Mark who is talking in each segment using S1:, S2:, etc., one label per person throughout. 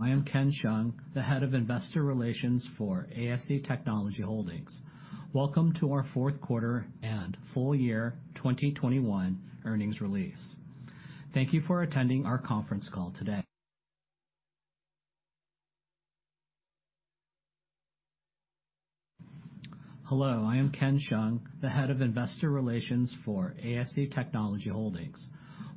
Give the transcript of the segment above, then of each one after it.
S1: I am Ken Chung, the Head of Investor Relations for ASE Technology Holding.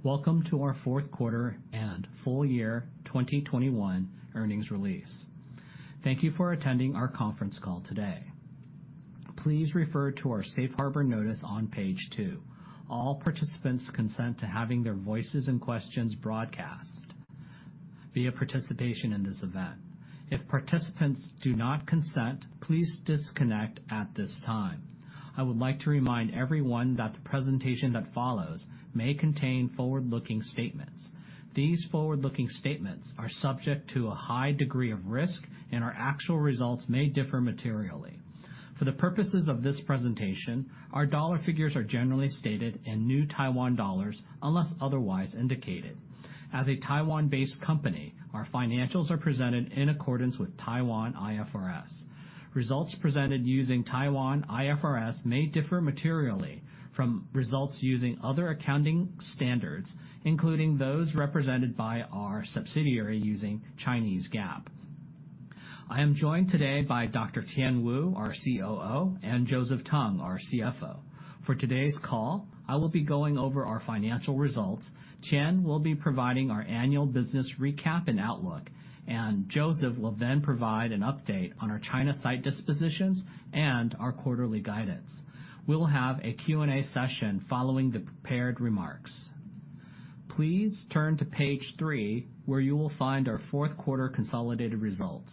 S1: Welcome to our fourth quarter and full year 2021 earnings release. Thank you for attending our conference call today. Please refer to our safe harbor notice on page two. All participants consent to having their voices and questions broadcast via participation in this event. If participants do not consent, please disconnect at this time. I would like to remind everyone that the presentation that follows may contain forward-looking statements. These forward-looking statements are subject to a high degree of risk, and our actual results may differ materially. For the purposes of this presentation, our dollar figures are generally stated in New Taiwan dollars, unless otherwise indicated. As a Taiwan-based company, our financials are presented in accordance with Taiwan IFRS. Results presented using Taiwan IFRS may differ materially from results using other accounting standards, including those represented by our subsidiary using Chinese GAAP. I am joined today by Dr. Tien Wu, our COO, and Joseph Tung, our CFO. For today's call, I will be going over our financial results. Tien will be providing our annual business recap and outlook, and Joseph will then provide an update on our China site dispositions and our quarterly guidance. We'll have a Q&A session following the prepared remarks. Please turn to page three, where you will find our fourth quarter consolidated results.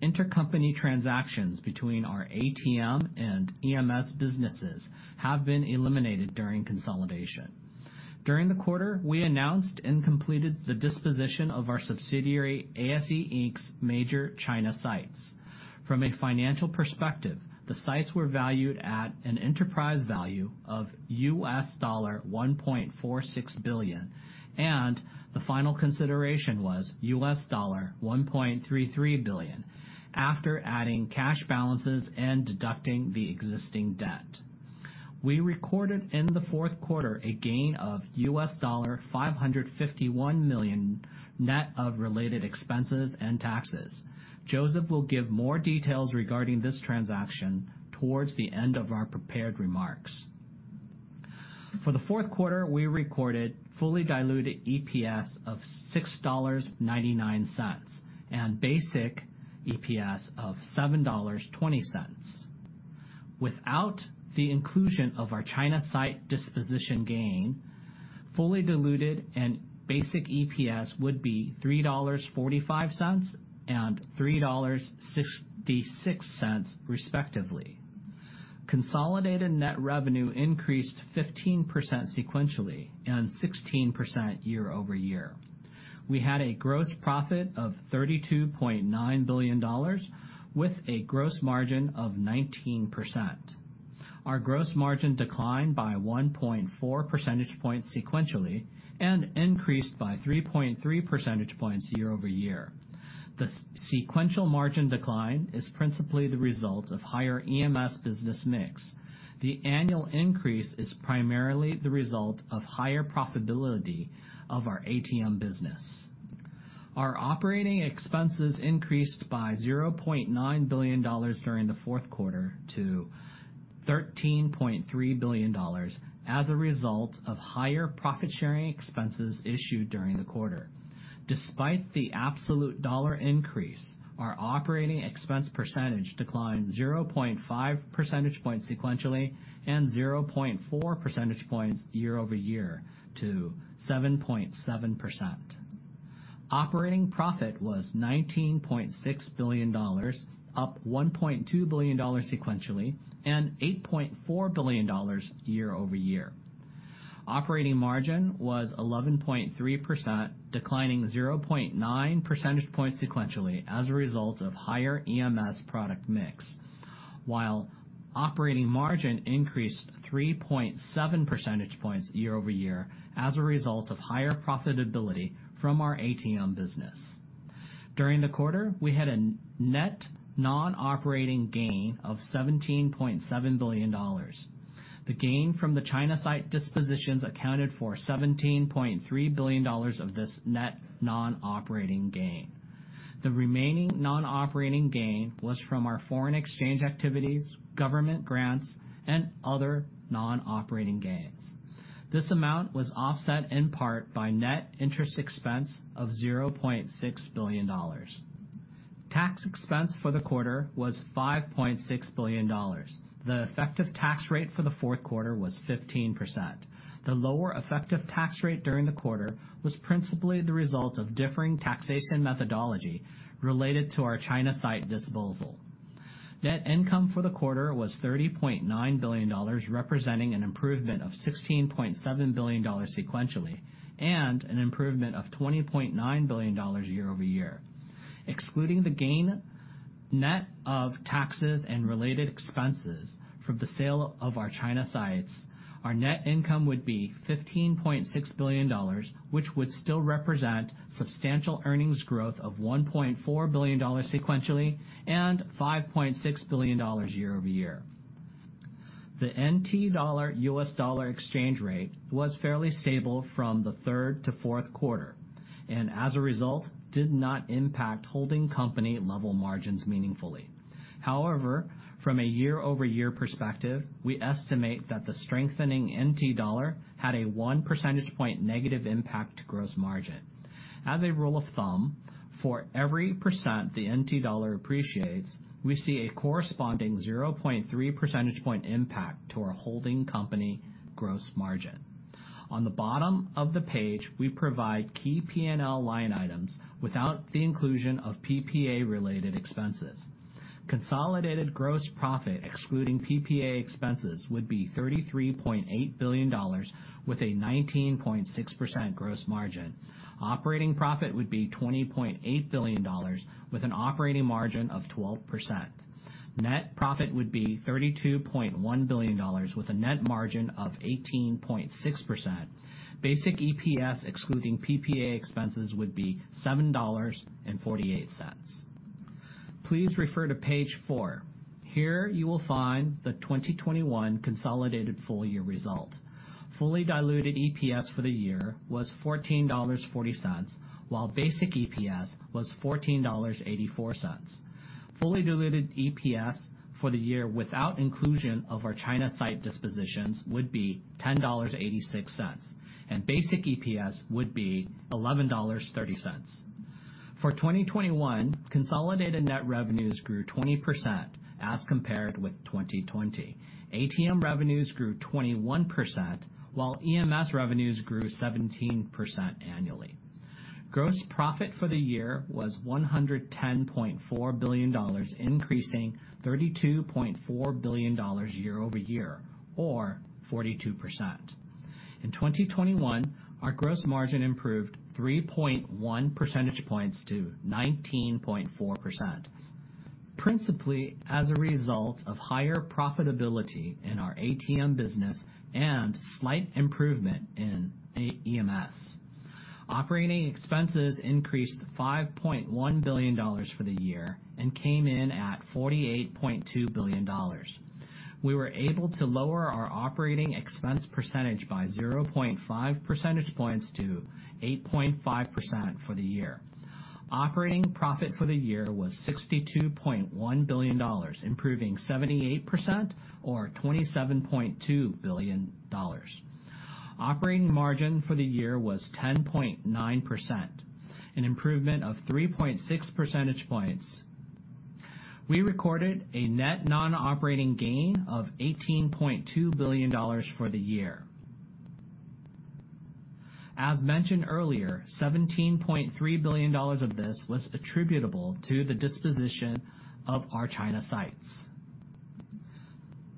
S1: Intercompany transactions between our ATM and EMS businesses have been eliminated during consolidation. During the quarter, we announced and completed the disposition of our subsidiary, ASE Inc.'s major China sites. From a financial perspective, the sites were valued at an enterprise value of $1.46 billion, and the final consideration was $1.33 billion after adding cash balances and deducting the existing debt. We recorded in the fourth quarter a gain of $551 million net of related expenses and taxes. Joseph will give more details regarding this transaction towards the end of our prepared remarks. For the fourth quarter, we recorded fully diluted EPS of $6.99 and basic EPS of $7.20. Without the inclusion of our China site disposition gain, fully diluted and basic EPS would be $3.45 and $3.66, respectively. Consolidated net revenue increased 15% sequentially and 16% year-over-year. We had a gross profit of 32.9 billion dollars with a gross margin of 19%. Our gross margin declined by 1.4 percentage points sequentially and increased by 3.3 percentage points year-over-year. The sequential margin decline is principally the result of higher EMS business mix. The annual increase is primarily the result of higher profitability of our ATM business. Our operating expenses increased by 0.9 billion dollars during the fourth quarter to 13.3 billion dollars as a result of higher profit-sharing expenses issued during the quarter. Despite the absolute dollar increase, our operating expense percentage declined 0.5 percentage points sequentially and 0.4 percentage points year-over-year to 7.7%. Operating profit was 19.6 billion dollars, up 1.2 billion dollars sequentially and 8.4 billion dollars year-over-year. Operating margin was 11.3%, declining 0.9 percentage points sequentially as a result of higher EMS product mix, while operating margin increased 3.7 percentage points year-over-year as a result of higher profitability from our ATM business. During the quarter, we had a net non-operating gain of 17.7 billion dollars. The gain from the China site dispositions accounted for 17.3 billion dollars of this net non-operating gain. The remaining non-operating gain was from our foreign exchange activities, government grants, and other non-operating gains. This amount was offset in part by net interest expense of 0.6 billion dollars. Tax expense for the quarter was 5.6 billion dollars. The effective tax rate for the fourth quarter was 15%. The lower effective tax rate during the quarter was principally the result of differing taxation methodology related to our China site disposal. Net income for the quarter was 30.9 billion dollars, representing an improvement of 16.7 billion dollars sequentially and an improvement of 20.9 billion dollars year-over-year. Excluding the gain, net of taxes and related expenses from the sale of our China sites, our net income would be 15.6 billion dollars, which would still represent substantial earnings growth of 1 billion dollars sequentially and 5.6 billion dollars year-over-year. The NT dollar-US dollar exchange rate was fairly stable from the third to fourth quarter, and as a result, did not impact holding company level margins meaningfully. However, from a year-over-year perspective, we estimate that the strengthening NT dollar had a 1 percentage point negative impact to gross margin. As a rule of thumb, for every percent the NT dollar appreciates, we see a corresponding 0.3 percentage point impact to our holding company gross margin. On the bottom of the page, we provide key P&L line items without the inclusion of PPA-related expenses. Consolidated gross profit, excluding PPA expenses, would be 33.8 billion dollars with a 19.6% gross margin. Operating profit would be 20 billion dollars with an operating margin of 12%. Net profit would be 32.1 billion dollars with a net margin of 18.6%. Basic EPS excluding PPA expenses would be 7.48 dollars. Please refer to page four. Here, you will find the 2021 consolidated full year results. Fully diluted EPS for the year was TWD 14.40, while basic EPS was 14.84 dollars. Fully diluted EPS for the year without inclusion of our China site dispositions would be 10.86 dollars, and basic EPS would be 11.30 dollars. For 2021, consolidated net revenues grew 20% as compared with 2020. ATM revenues grew 21%, while EMS revenues grew 17% annually. Gross profit for the year was 110.4 billion dollars, increasing 32.4 billion dollars year-over-year or 42%. In 2021, our gross margin improved 3.1 percentage points to 19.4%, principally as a result of higher profitability in our ATM business and slight improvement in EMS. Operating expenses increased 5.1 billion dollars for the year and came in at 48.2 billion dollars. We were able to lower our operating expense percentage by 0.5 percentage points to 8.5% for the year. Operating profit for the year was 62.1 billion dollars, improving 78% or 27.2 billion dollars. Operating margin for the year was 10.9%, an improvement of 3.6 percentage points. We recorded a net non-operating gain of 18.2 billion dollars for the year. As mentioned earlier, 17.3 billion dollars of this was attributable to the disposition of our China sites.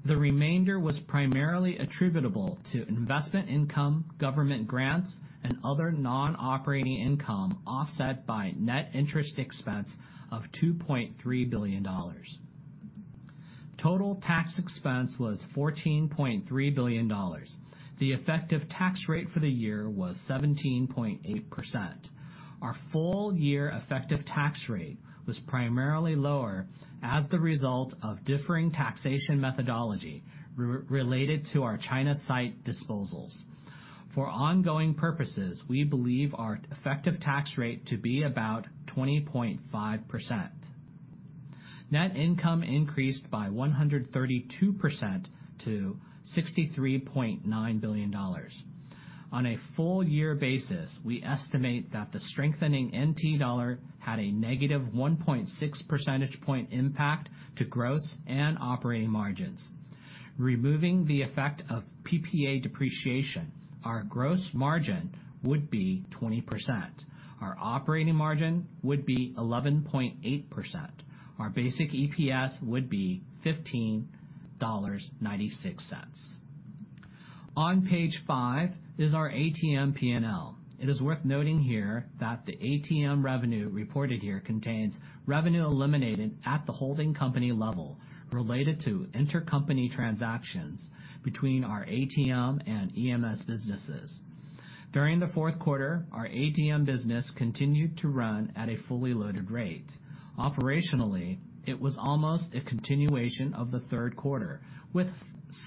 S1: The remainder was primarily attributable to investment income, government grants, and other non-operating income, offset by net interest expense of 2.3 billion dollars. Total tax expense was 14.3 billion dollars. The effective tax rate for the year was 17.8%. Our full year effective tax rate was primarily lower as the result of differing taxation methodology related to our China site disposals. For ongoing purposes, we believe our effective tax rate to be about 20.5%. Net income increased by 132% to 63.9 billion dollars. On a full year basis, we estimate that the strengthening NT dollar had a negative 1.6 percentage point impact to growth and operating margins. Removing the effect of PPA depreciation, our gross margin would be 20%. Our operating margin would be 11.8%. Our basic EPS would be 15.96 dollars. On page five is our ATM P&L. It is worth noting here that the ATM revenue reported here contains revenue eliminated at the holding company level related to intercompany transactions between our ATM and EMS businesses. During the fourth quarter, our ATM business continued to run at a fully loaded rate. Operationally, it was almost a continuation of the third quarter with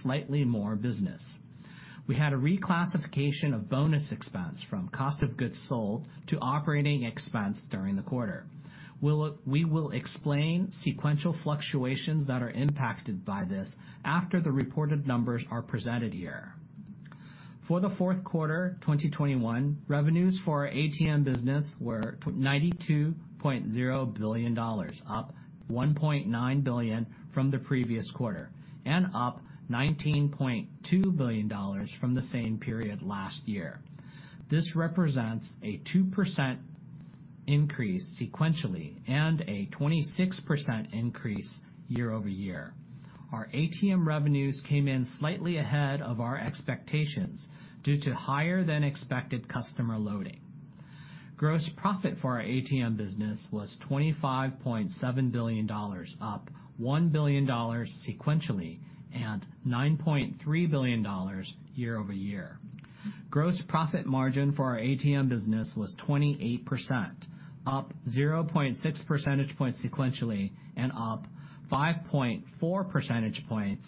S1: slightly more business. We had a reclassification of bonus expense from cost of goods sold to operating expense during the quarter. We will explain sequential fluctuations that are impacted by this after the reported numbers are presented here. For the fourth quarter, 2021, revenues for our ATM business were 92.0 billion dollars, up 1.9 billion from the previous quarter, and up 19.2 billion dollars from the same period last year. This represents a 2% increase sequentially and a 26% increase year-over-year. Our ATM revenues came in slightly ahead of our expectations due to higher than expected customer loading. Gross profit for our ATM business was 25.7 billion dollars, up 1 billion dollars sequentially, and TWD 9.3 billion year-over-year. Gross profit margin for our ATM business was 28%, up 0.6 percentage points sequentially and up 5.4 percentage points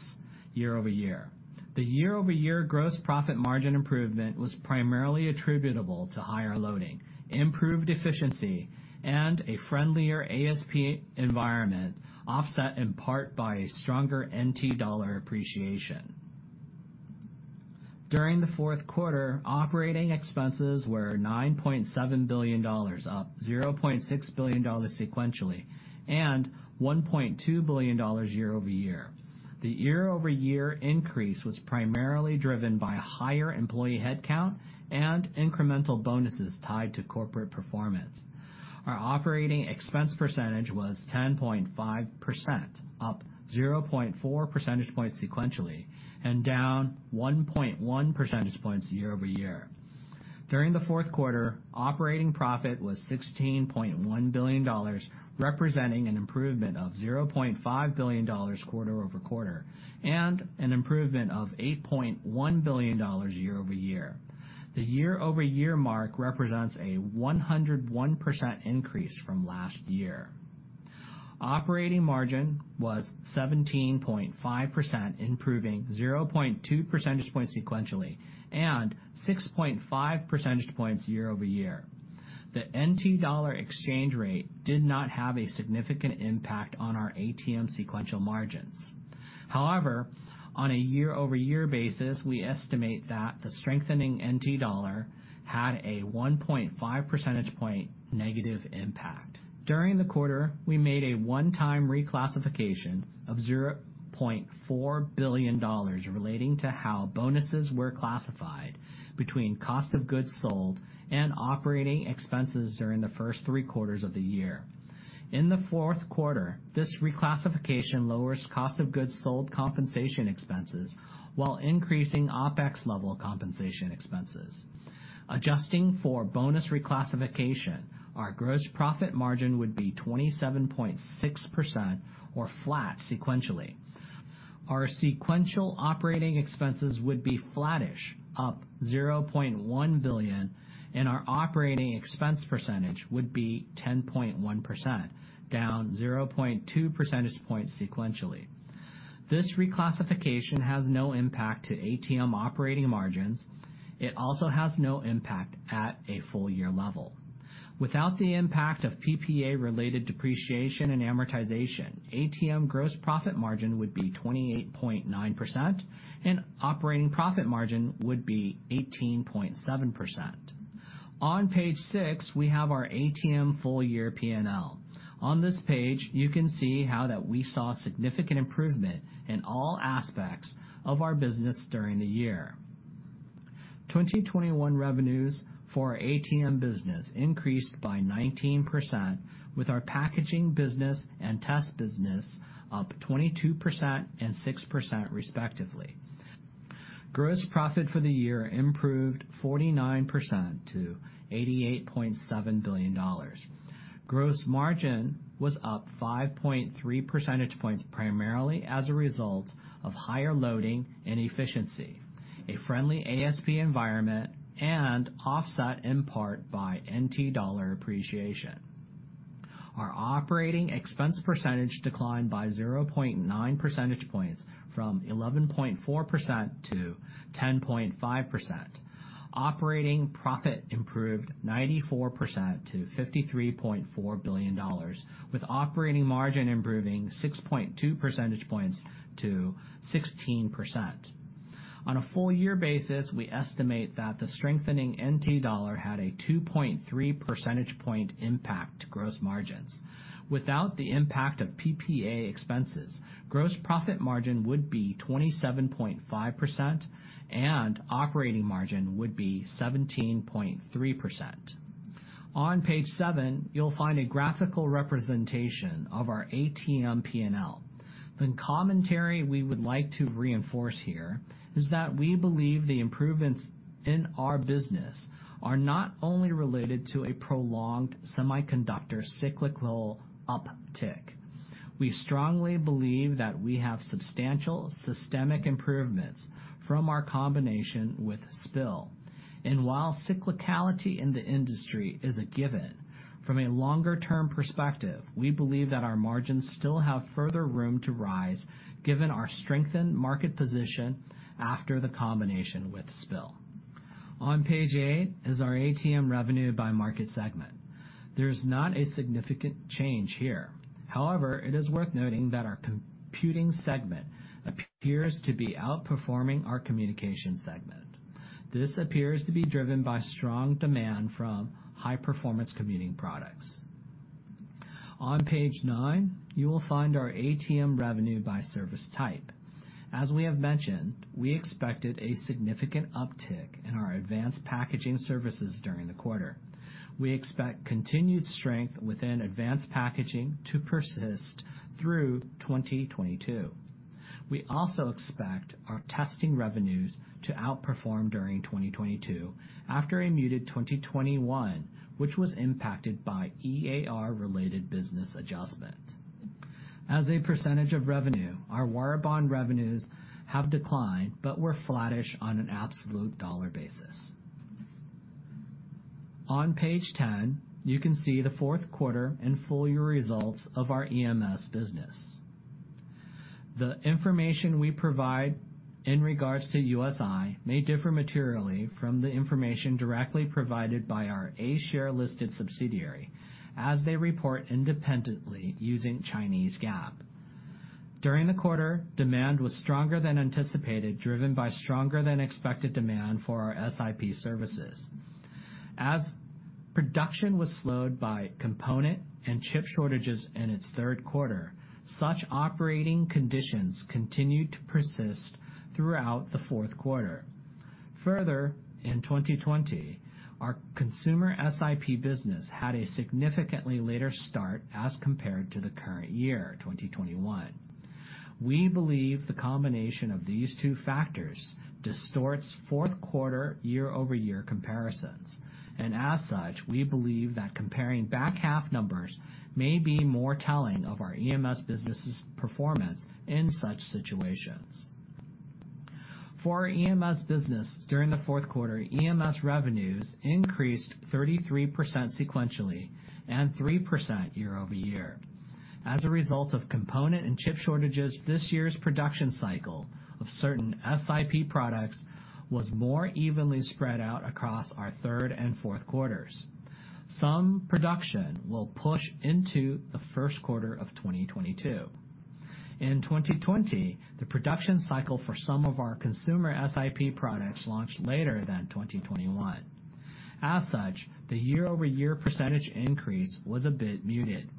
S1: year-over-year. The year-over-year gross profit margin improvement was primarily attributable to higher loading, improved efficiency, and a friendlier ASP environment, offset in part by stronger NT dollar appreciation. During the fourth quarter, operating expenses were 9.7 billion dollars, up 0.6 billion dollars sequentially, and 1.2 billion dollars year-over-year. The year-over-year increase was primarily driven by higher employee headcount and incremental bonuses tied to corporate performance. Our operating expense percentage was 10.5%, up 0.4 percentage points sequentially, and down 1.1 percentage points year-over-year. During the fourth quarter, operating profit was 16.1 billion dollars, representing an improvement of 0.5 billion dollars quarter-over-quarter, and an improvement of 8.1 billion dollars year-over-year. The year-over-year mark represents a 101% increase from last year. Operating margin was 17.5%, improving 0.2 percentage points sequentially, and 6.5 percentage points year-over-year. The NT dollar exchange rate did not have a significant impact on our ATM sequential margins. However, on a year-over-year basis, we estimate that the strengthening NT dollar had a 1.5 percentage point negative impact. During the quarter, we made a one-time reclassification of $0.4 billion relating to how bonuses were classified between cost of goods sold and operating expenses during the first three quarters of the year. In the fourth quarter, this reclassification lowers cost of goods sold compensation expenses while increasing OpEx level compensation expenses. Adjusting for bonus reclassification, our gross profit margin would be 27.6% or flat sequentially. Our sequential operating expenses would be flattish, up $0.1 billion, and our operating expense percentage would be 10.1%, down 0.2 percentage points sequentially. This reclassification has no impact to ATM operating margins. It also has no impact at a full year level. Without the impact of PPA related depreciation and amortization, ATM gross profit margin would be 28.9%, and operating profit margin would be 18.7%. On page six, we have our ATM full year P&L. On this page, you can see how we saw significant improvement in all aspects of our business during the year. 2021 revenues for our ATM business increased by 19%, with our packaging business and test business up 22% and 6%, respectively. Gross profit for the year improved 49% to 88.7 billion dollars. Gross margin was up 5.3 percentage points, primarily as a result of higher loading and efficiency, a friendly ASP environment, and offset in part by NT dollar appreciation. Our operating expense percentage declined by 0.9 percentage points from 11.4% to 10.5%. Operating profit improved 94% to 53.4 billion dollars, with operating margin improving 6.2 percentage points to 16%. On a full year basis, we estimate that the strengthening NT dollar had a 2.3 percentage point impact to gross margins. Without the impact of PPA expenses, gross profit margin would be 27.5%, and operating margin would be 17.3%. On page seven, you'll find a graphical representation of our ATM P&L. The commentary we would like to reinforce here is that we believe the improvements in our business are not only related to a prolonged semiconductor cyclical uptick. We strongly believe that we have substantial systemic improvements from our combination with SPIL. While cyclicality in the industry is a given, from a longer-term perspective, we believe that our margins still have further room to rise given our strengthened market position after the combination with SPIL. On page eight is our ATM revenue by market segment. There is not a significant change here. However, it is worth noting that our computing segment appears to be outperforming our communication segment. This appears to be driven by strong demand from high-performance computing products. On page nine, you will find our ATM revenue by service type. As we have mentioned, we expected a significant uptick in our advanced packaging services during the quarter. We expect continued strength within advanced packaging to persist through 2022. We also expect our testing revenues to outperform during 2022 after a muted 2021, which was impacted by EAR-related business adjustments. As a percentage of revenue, our wire bond revenues have declined, but we're flattish on an absolute dollar basis. On page 10, you can see the fourth quarter and full year results of our EMS business. The information we provide in regards to USI may differ materially from the information directly provided by our A-share listed subsidiary as they report independently using Chinese GAAP. During the quarter, demand was stronger than anticipated, driven by stronger than expected demand for our SiP services. As production was slowed by component and chip shortages in its third quarter, such operating conditions continued to persist throughout the fourth quarter. Further, in 2020, our consumer SiP business had a significantly later start as compared to the current year, 2021. We believe the combination of these two factors distorts fourth quarter year-over-year comparisons. As such, we believe that comparing back half numbers may be more telling of our EMS business' performance in such situations. For our EMS business, during the fourth quarter, EMS revenues increased 33% sequentially and 3% year-over-year. As a result of component and chip shortages, this year's production cycle of certain SiP products was more evenly spread out across our third and fourth quarters. Some production will push into the first quarter of 2022. In 2020, the production cycle for some of our consumer SiP products launched later than 2021. As such, the year-over-year percentage increase was a bit muted.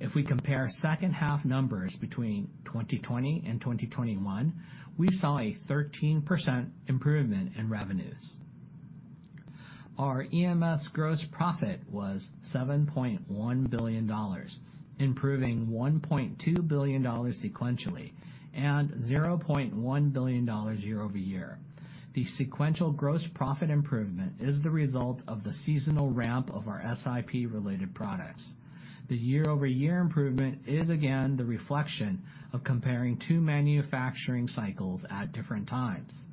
S1: If we compare second half numbers between 2020 and 2021, we saw a 13% improvement in revenues. Our EMS gross profit was $7.1 billion, improving $1.2 billion sequentially and $0.1 billion year-over-year. The sequential gross profit improvement is the result of the seasonal ramp of our SiP related products. The year-over-year improvement is again the reflection of comparing two manufacturing cycles at different times.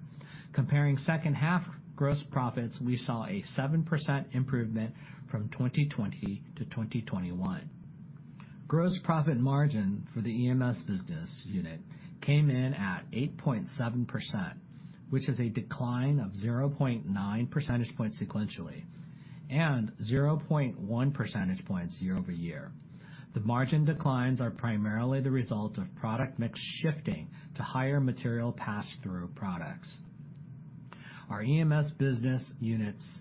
S1: Comparing second half gross profits, we saw a 7% improvement from 2020-2021. Gross profit margin for the EMS business unit came in at 8.7%, which is a decline of 0.9 percentage points sequentially and 0.1 percentage points year-over-year. The margin declines are primarily the result of product mix shifting to higher material pass through products. Our EMS business unit's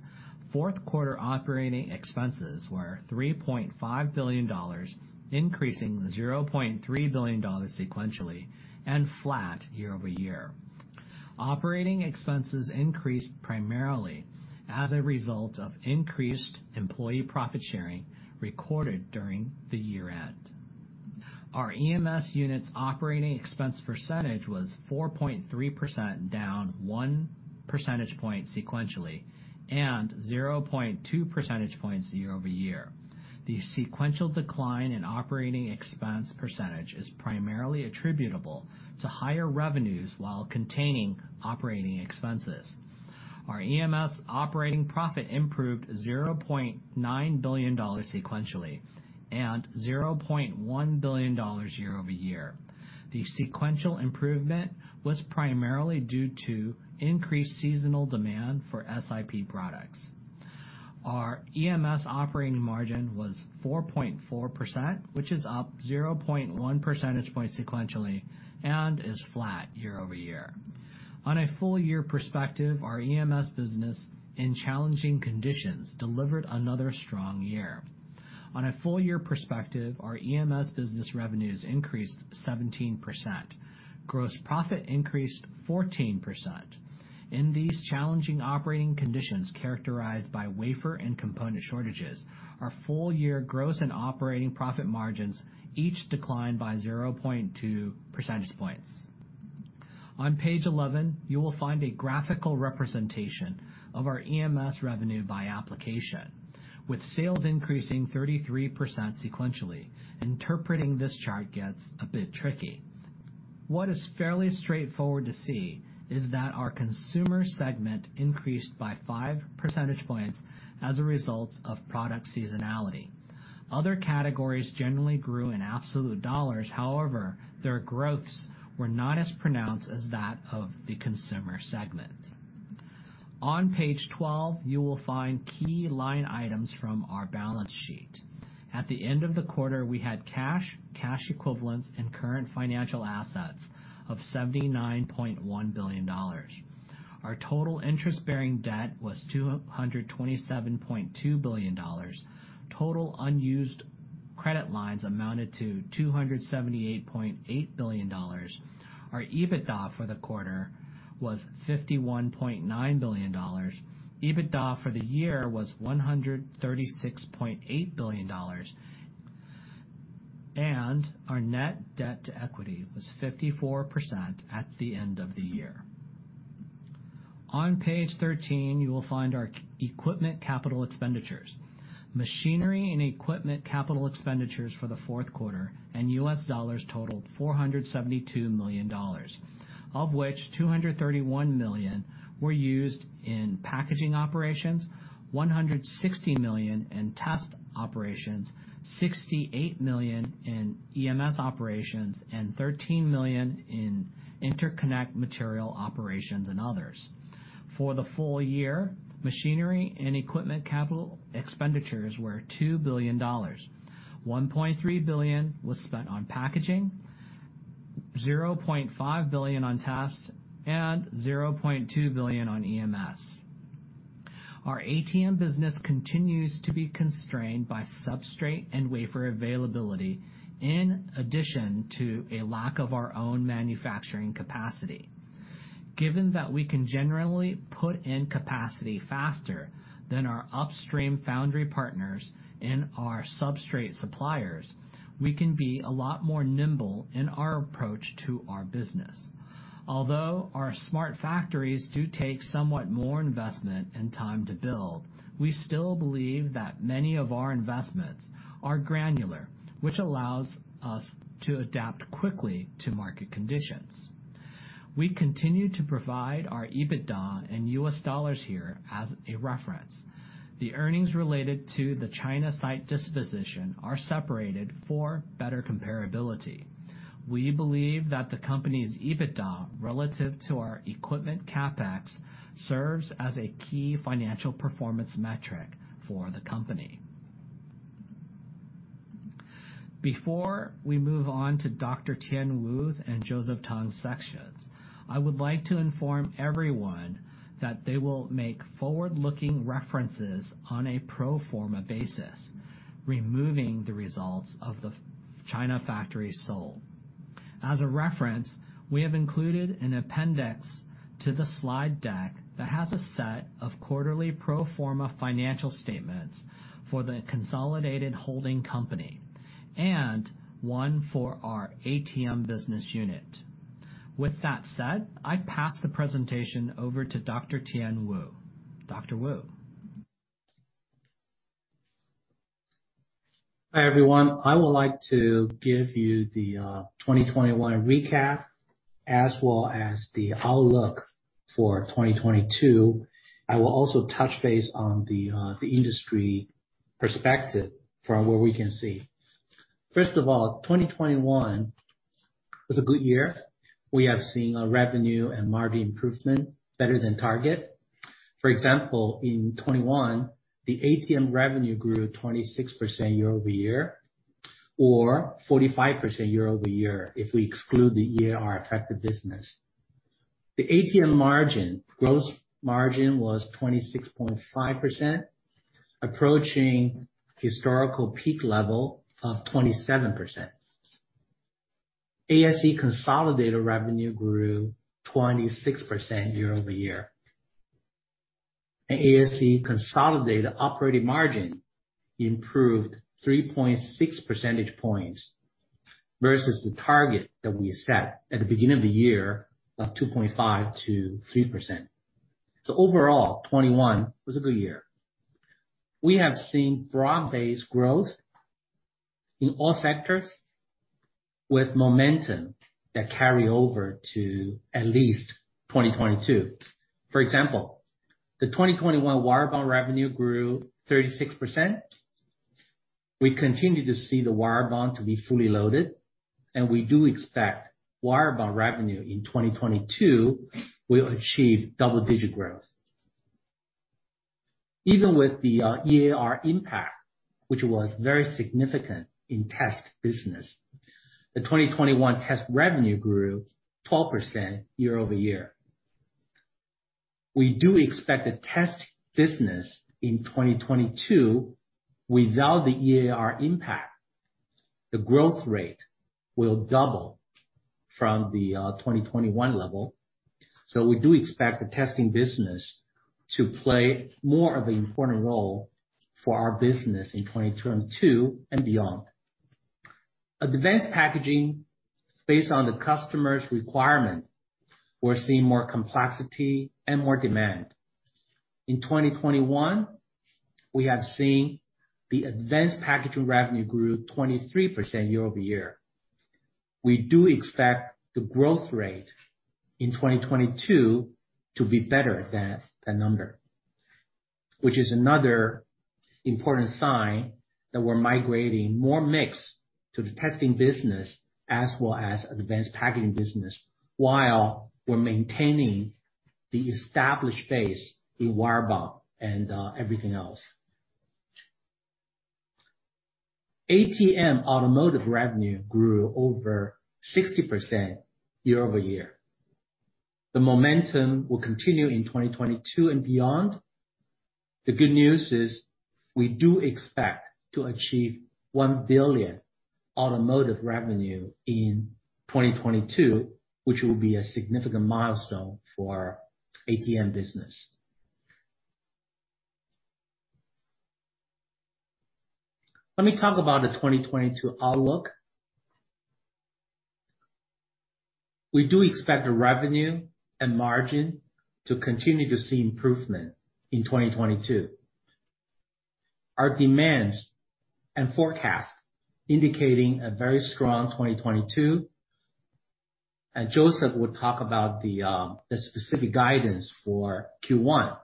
S1: fourth quarter operating expenses were $3.5 billion, increasing $0.3 billion sequentially and flat year-over-year. Operating expenses increased primarily as a result of increased employee profit sharing recorded during the year-end. Our EMS unit's operating expense percentage was 4.3%, down 1 percentage point sequentially and 0.2 percentage points year-over-year. The sequential decline in operating expense percentage is primarily attributable to higher revenues while containing operating expenses. Our EMS operating profit improved $0.9 billion sequentially and $0.1 billion year-over-year. The sequential improvement was primarily due to increased seasonal demand for SIP products. Our EMS operating margin was 4.4%, which is up 0.1 percentage points sequentially and is flat year-over-year. On a full-year perspective, our EMS business in challenging conditions delivered another strong year. On a full-year perspective, our EMS business revenues increased 17%. Gross profit increased 14%. In these challenging operating conditions characterized by wafer and component shortages, our full-year gross and operating profit margins each declined by 0.2 percentage points. On page 11, you will find a graphical representation of our EMS revenue by application. With sales increasing 33% sequentially, interpreting this chart gets a bit tricky. What is fairly straightforward to see is that our consumer segment increased by 5 percentage points as a result of product seasonality. Other categories generally grew in absolute dollars, however, their growths were not as pronounced as that of the consumer segment. On page 12, you will find key line items from our balance sheet. At the end of the quarter, we had cash equivalents, and current financial assets of 79.1 billion dollars. Our total interest-bearing debt was 227.2 billion dollars. Total unused credit lines amounted to 278.8 billion dollars. Our EBITDA for the quarter was 51.9 billion dollars. EBITDA for the year was 136.8 billion dollars. Our net debt to equity was 54% at the end of the year. On page 13, you will find our equipment capital expenditures. Machinery and equipment capital expenditures for the fourth quarter in US dollars totaled $472 million, of which $231 million were used in packaging operations, $160 million in test operations, $68 million in EMS operations, and $13 million in interconnect material operations and others. For the full year, machinery and equipment capital expenditures were $2 billion. $1.3 billion was spent on packaging, $0.5 billion on tests, and $0.2 billion on EMS. Our ATM business continues to be constrained by substrate and wafer availability in addition to a lack of our own manufacturing capacity. Given that we can generally put in capacity faster than our upstream foundry partners and our substrate suppliers, we can be a lot more nimble in our approach to our business. Although our smart factories do take somewhat more investment and time to build, we still believe that many of our investments are granular, which allows us to adapt quickly to market conditions. We continue to provide our EBITDA in US dollars here as a reference. The earnings related to the China site disposition are separated for better comparability. We believe that the company's EBITDA relative to our equipment CapEx serves as a key financial performance metric for the company. Before we move on to Dr. Tien Wu's and Joseph Tung's sections, I would like to inform everyone that they will make forward-looking references on a pro forma basis, removing the results of the China factory sold. As a reference, we have included an appendix to the slide deck that has a set of quarterly pro forma financial statements for the consolidated holding company, and one for our ATM business unit. With that said, I pass the presentation over to Dr. Tien Wu. Dr. Wu.
S2: Hi, everyone. I would like to give you the 2021 recap as well as the outlook for 2022. I will also touch base on the industry perspective from what we can see. First of all, 2021 was a good year. We have seen a revenue and margin improvement better than target. For example, in 2021, the ATM revenue grew 26% year-over-year, or 45% year-over-year if we exclude the EAR-affected business. The ATM margin, gross margin was 26.5%, approaching historical peak level of 27%. ASE consolidated revenue grew 26% year-over-year. ASE consolidated operating margin improved 3.6 percentage points versus the target that we set at the beginning of the year of 2.5%-3%. Overall, 2021 was a good year. We have seen broad-based growth in all sectors with momentum that carry over to at least 2022. For example, the 2021 wire bond revenue grew 36%. We continue to see the wire bond to be fully loaded, and we do expect wire bond revenue in 2022 will achieve double-digit growth. Even with the EAR impact, which was very significant in test business, the 2021 test revenue grew 12% year-over-year. We do expect the test business in 2022, without the EAR impact, the growth rate will double from the 2021 level. We do expect the testing business to play more of an important role for our business in 2022 and beyond. At advanced packaging, based on the customer's requirement, we're seeing more complexity and more demand. In 2021, we have seen the advanced packaging revenue grew 23% year-over-year. We do expect the growth rate in 2022 to be better than that number, which is another important sign that we're migrating more mix to the testing business as well as advanced packaging business while we're maintaining the established base in wire bond and everything else. ATM automotive revenue grew over 60% year-over-year. The momentum will continue in 2022 and beyond. The good news is we do expect to achieve $1 billion automotive revenue in 2022, which will be a significant milestone for our ATM business. Let me talk about the 2022 outlook. We do expect the revenue and margin to continue to see improvement in 2022. Our demand and forecast indicating a very strong 2022, and Joseph will talk about the specific guidance for Q1.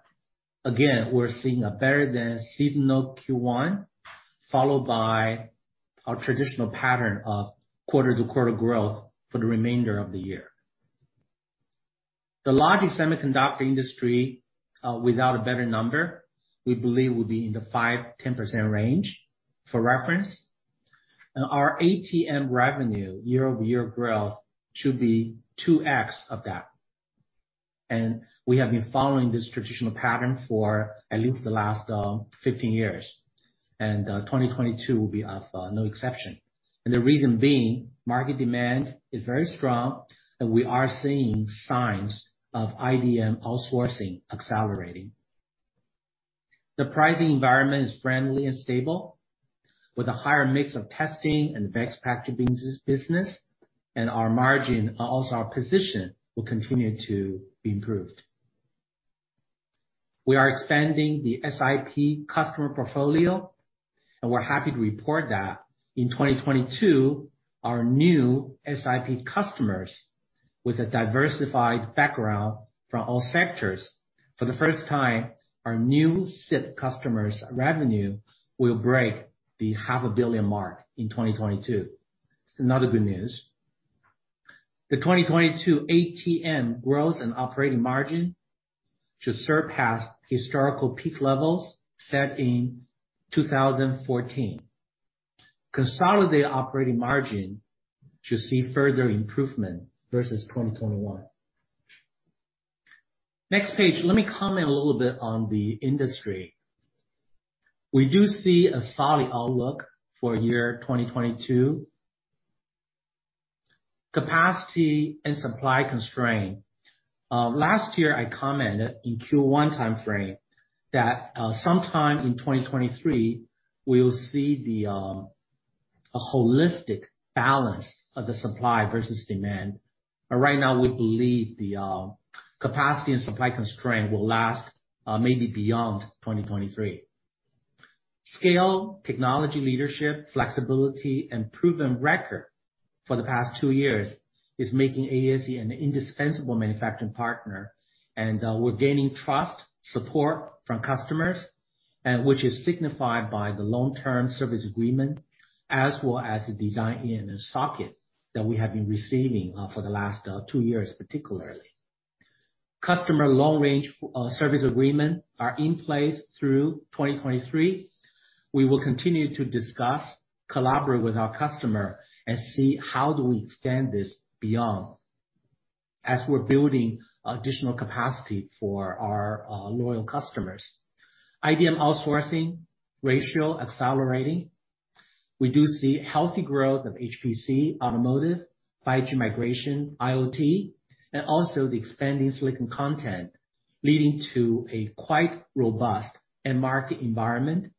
S2: We're seeing a better than seasonal Q1, followed by our traditional pattern of quarter-to-quarter growth for the remainder of the year. The larger semiconductor industry, without a better number, we believe will be in the 5%-10% range for reference. Our ATM revenue year-over-year growth should be 2x of that. We have been following this traditional pattern for at least the last 15 years. 2022 will be of no exception. The reason being, market demand is very strong, and we are seeing signs of IDM outsourcing accelerating. The pricing environment is friendly and stable, with a higher mix of testing and the packaging s-business, and our margin, also our position, will continue to be improved. We are expanding the SiP customer portfolio, and we're happy to report that in 2022, our new SiP customers, with a diversified background from all sectors, for the first time, our new SiP customers' revenue will break the half a billion mark in 2022. It's another good news. The 2022 ATM growth and operating margin should surpass historical peak levels set in 2014. Consolidated operating margin should see further improvement versus 2021. Next page, let me comment a little bit on the industry. We do see a solid outlook for year 2022. Capacity and supply constraint. Last year, I commented in Q1 time frame that sometime in 2023, we will see a holistic balance of the supply versus demand. Right now, we believe the capacity and supply constraint will last maybe beyond 2023. Scale, technology leadership, flexibility, and proven record for the past two years is making ASE an indispensable manufacturing partner. We're gaining trust, support from customers, and which is signified by the long-term service agreement, as well as the design in and socket that we have been receiving, for the last, two years, particularly. Customer long-term service agreement are in place through 2023. We will continue to discuss, collaborate with our customer and see how do we extend this beyond, as we're building additional capacity for our, loyal customers. IDM outsourcing ratio accelerating. We do see healthy growth of HPC, automotive, 5G migration, IoT, and also the expanding silicon content, leading to a quite robust end market environment.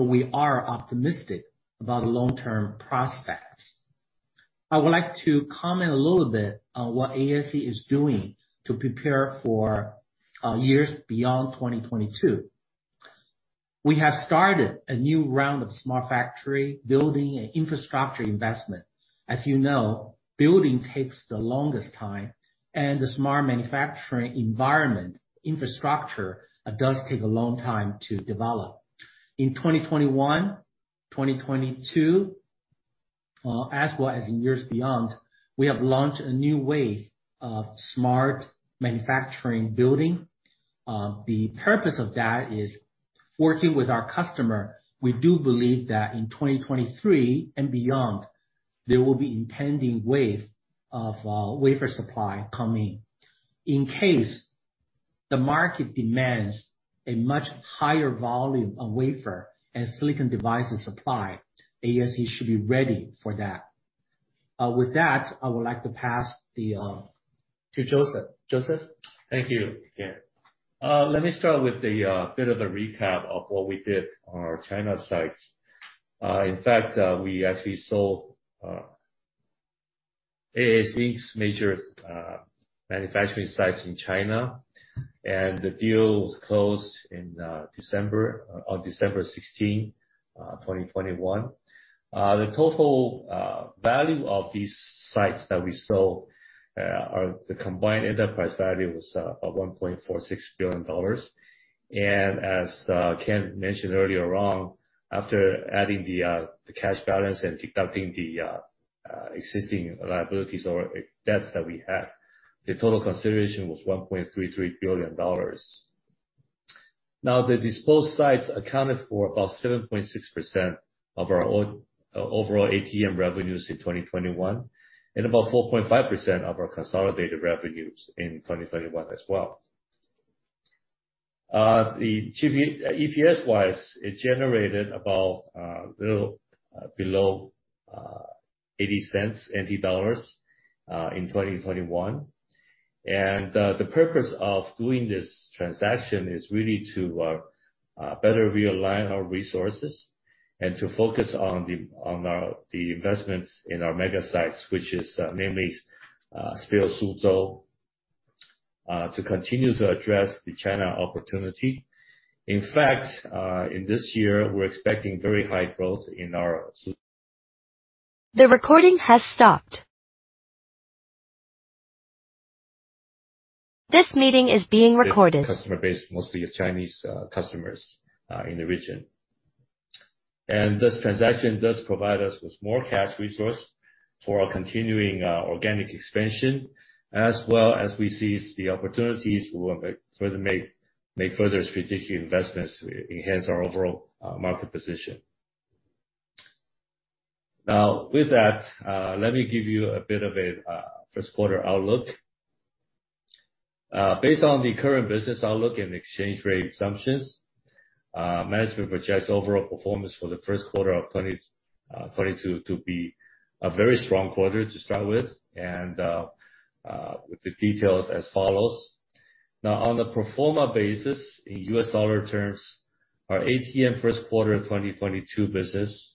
S2: We are optimistic about the long-term prospects. I would like to comment a little bit on what ASE is doing to prepare for years beyond 2022. We have started a new round of smart factory building and infrastructure investment. As you know, building takes the longest time, and the smart manufacturing environment infrastructure does take a long time to develop. In 2021, 2022, as well as in years beyond, we have launched a new wave of smart manufacturing building. The purpose of that is working with our customer. We do believe that in 2023 and beyond, there will be impending wave of wafer supply coming. In case the market demands a much higher volume of wafer and silicon devices supply, ASE should be ready for that. With that, I would like to pass the to Joseph. Joseph.
S3: Thank you, Tien. Let me start with a bit of a recap of what we did on our China sites. In fact, we actually sold ASE's major manufacturing sites in China, and the deal was closed in December, on December 16, 2021. The total value of these sites that we sold are the combined enterprise value was $1.46 billion. As Ken mentioned earlier on, after adding the cash balance and deducting the existing liabilities or debts that we have, the total consideration was $1.33 billion. Now, the disposed sites accounted for about 7.6% of our overall ATM revenues in 2021, and about 4.5% of our consolidated revenues in 2021 as well. EPS-wise, it generated about a little below 0.80 in 2021. The purpose of doing this transaction is really to better realign our resources and to focus on the investments in our mega sites, which is namely SPIL Suzhou to continue to address the China opportunity. In fact, in this year, we're expecting very high growth in our Su-
S4: The recording has stopped. This meeting is being recorded.
S3: customer base, mostly of Chinese customers, in the region. This transaction does provide us with more cash resource for our continuing, organic expansion, as well as we seize the opportunities we'll make further strategic investments to enhance our overall, market position. Now, with that, let me give you a bit of a, first quarter outlook. Based on the current business outlook and exchange rate assumptions, management projects overall performance for the first quarter of 2022 to be a very strong quarter to start with the details as follows. Now on a pro forma basis, in US dollar terms, our ATM first quarter of 2022 business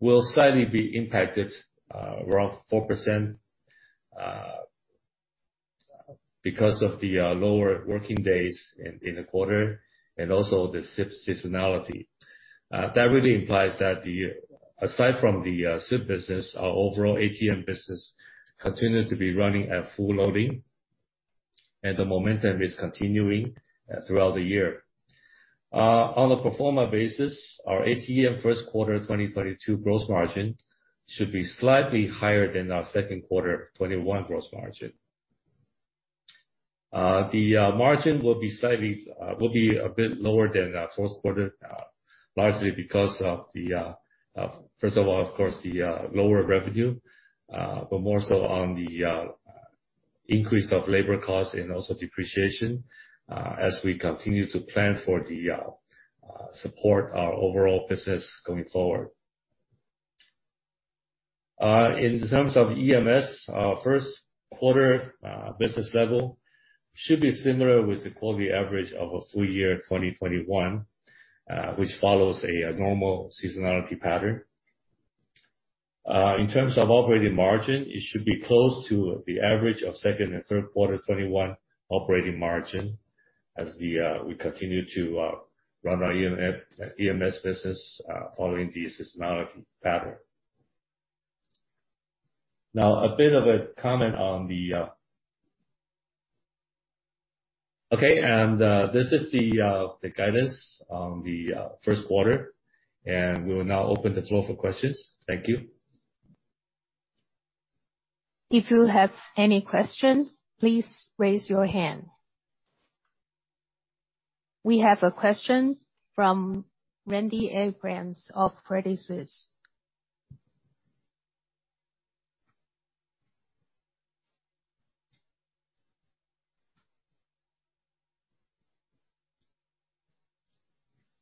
S3: will slightly be impacted, around 4%, because of the, lower working days in the quarter and also the SiP seasonality. That really implies that the, aside from the, SiP business, our overall ATM business continued to be running at full loading, and the momentum is continuing throughout the year. On a pro forma basis, our ATM first quarter 2022 gross margin should be slightly higher than our second quarter 2021 gross margin. The margin will be a bit lower than our first quarter, largely because of the, first of all, of course, the lower revenue, but more so on the increase of labor costs and also depreciation, as we continue to plan for the support our overall business going forward. In terms of EMS, our first quarter business level should be similar to the quarterly average of a full year 2021, which follows a normal seasonality pattern. In terms of operating margin, it should be close to the average of second and third quarter 2021 operating margin as we continue to run our EMS business, following the seasonality pattern. This is the guidance on the first quarter, and we will now open the floor for questions. Thank you.
S4: If you have any question, please raise your hand. We have a question from Randy Abrams of Credit Suisse.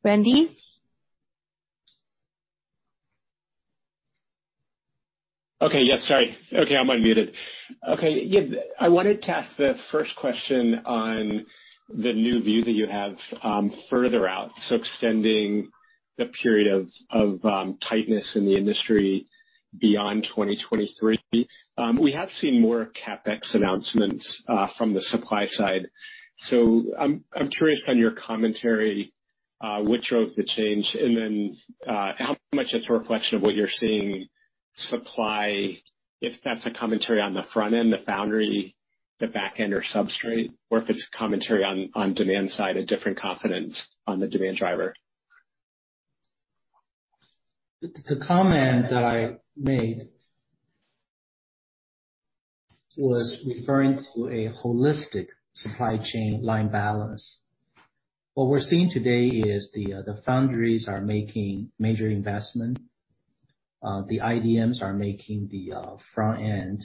S4: Randy?
S5: I wanted to ask the first question on the new view that you have further out, so extending the period of tightness in the industry beyond 2023. We have seen more CapEx announcements from the supply side. I'm curious about your commentary which drove the change, and then how much it's a reflection of what you're seeing on supply, if that's a commentary on the front end, the foundry, the back end or substrate, or if it's a commentary on demand side, a different confidence on the demand driver.
S2: The comment that I made was referring to a holistic supply chain line balance. What we're seeing today is the foundries are making major investment. The IDMs are making the front-end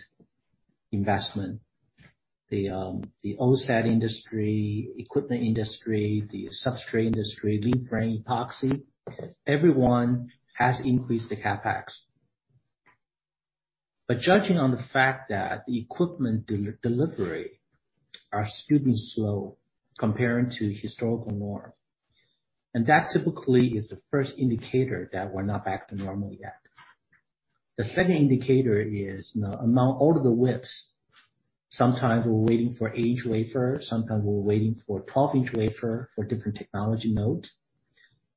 S2: investment. The OSAT industry, equipment industry, the substrate industry, leadframe, epoxy, everyone has increased the CapEx. Judging on the fact that the equipment delivery are extremely slow compared to historical norm, and that typically is the first indicator that we're not back to normal yet. The second indicator is the amount, all of the wafers. Sometimes we're waiting for 8-inch wafer, sometimes we're waiting for 12-inch wafer for different technology nodes,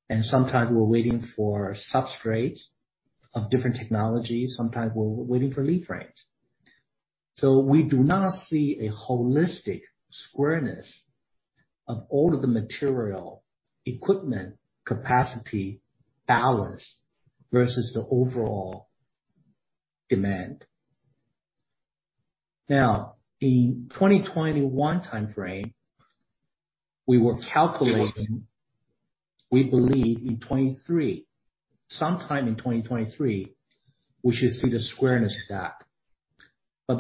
S2: and sometimes we're waiting for substrates of different technologies. Sometimes we're waiting for leadframes. We do not see a holistic balance of all of the material, equipment, capacity, balance versus the overall demand. Now, in 2021 timeframe, we were calculating, we believe in 2023, sometime in 2023, we should see the squareness back.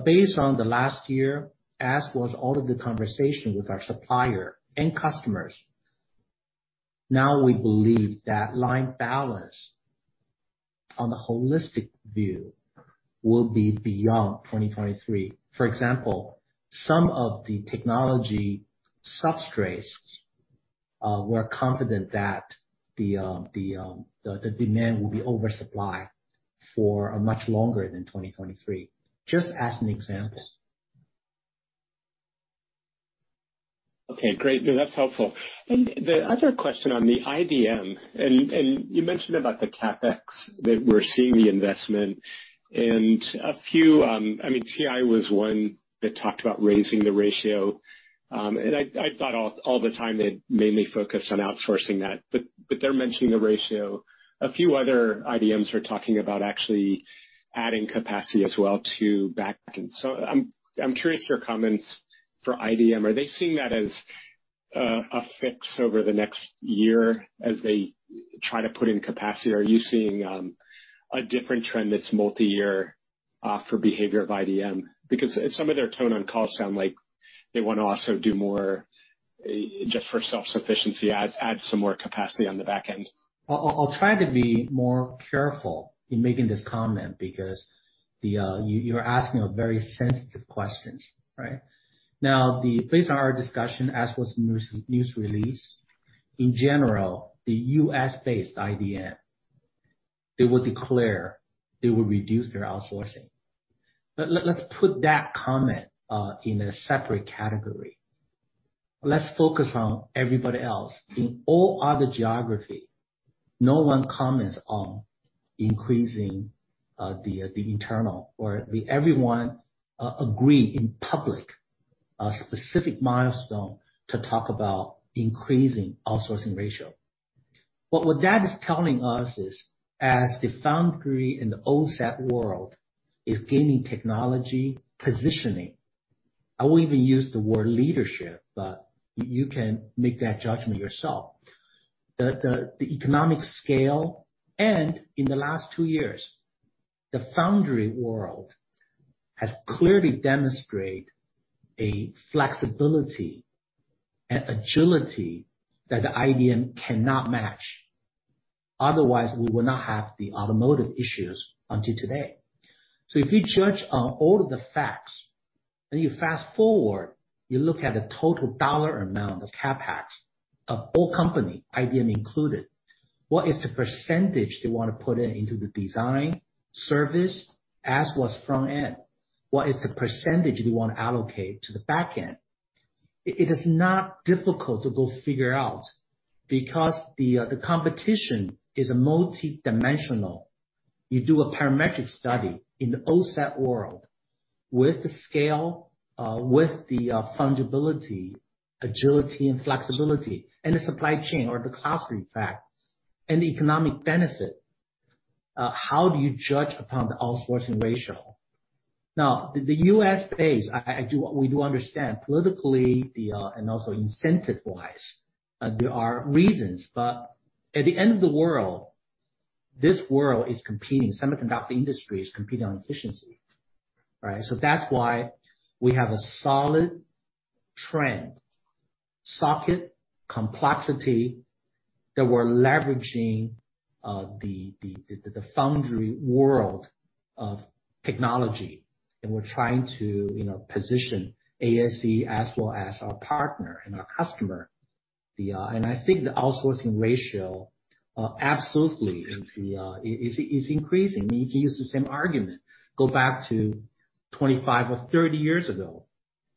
S2: Based on the last year, as in all of the conversations with our suppliers and customers Now we believe that line balance on the holistic view will be beyond 2023. For example, some of the technology substrates, we're confident that the demand will be oversupply for a much longer than 2023, just as an example.
S5: Okay, great. No, that's helpful. The other question on the IDM and you mentioned about the CapEx, that we're seeing the investment in a few. I mean, TI was one that talked about raising the ratio, and I thought all the time they mainly focused on outsourcing that, but they're mentioning the ratio. A few other IDMs are talking about actually adding capacity as well to backend. I'm curious your comments for IDM. Are they seeing that as a fix over the next year as they try to put in capacity? Are you seeing a different trend that's multi-year for behavior of IDM? Because some of their tone on calls sound like they wanna also do more just for self-sufficiency, add some more capacity on the back end.
S2: I'll try to be more careful in making this comment because you're asking a very sensitive question, right? Now, based on our discussion, as was the news release, in general, the U.S.-based IDM, they will declare they will reduce their outsourcing. But let's put that comment in a separate category. Let's focus on everybody else. In all other geography, no one comments on increasing the internal or everyone agree in public a specific milestone to talk about increasing outsourcing ratio. But what that is telling us is, as the foundry in the OSAT world is gaining technology positioning, I won't even use the word leadership, but you can make that judgment yourself. The economic scale and in the last two years, the foundry world has clearly demonstrate a flexibility and agility that the IDM cannot match. Otherwise, we will not have the automotive issues until today. If you judge on all of the facts, and you fast-forward, you look at the total dollar amount of CapEx of all company, IDM included, what is the percentage they wanna put it into the design, service, as was front end? What is the percentage they wanna allocate to the back end? It is not difficult to go figure out because the competition is multidimensional. You do a parametric study in the OSAT world with the scale, with the fungibility, agility and flexibility and the supply chain or the cost, in fact, and the economic benefit, how do you judge upon the outsourcing ratio? Now, the US-based, we do understand politically, and also incentive-wise, there are reasons, but at the end of the day, this world is competing. The semiconductor industry is competing on efficiency, right? That's why we have a solid trend, socket complexity, that we're leveraging, the foundry world of technology, and we're trying to, you know, position ASE as well as our partner and our customer. I think the outsourcing ratio absolutely is increasing. You can use the same argument. Go back to 25 or 30 years ago,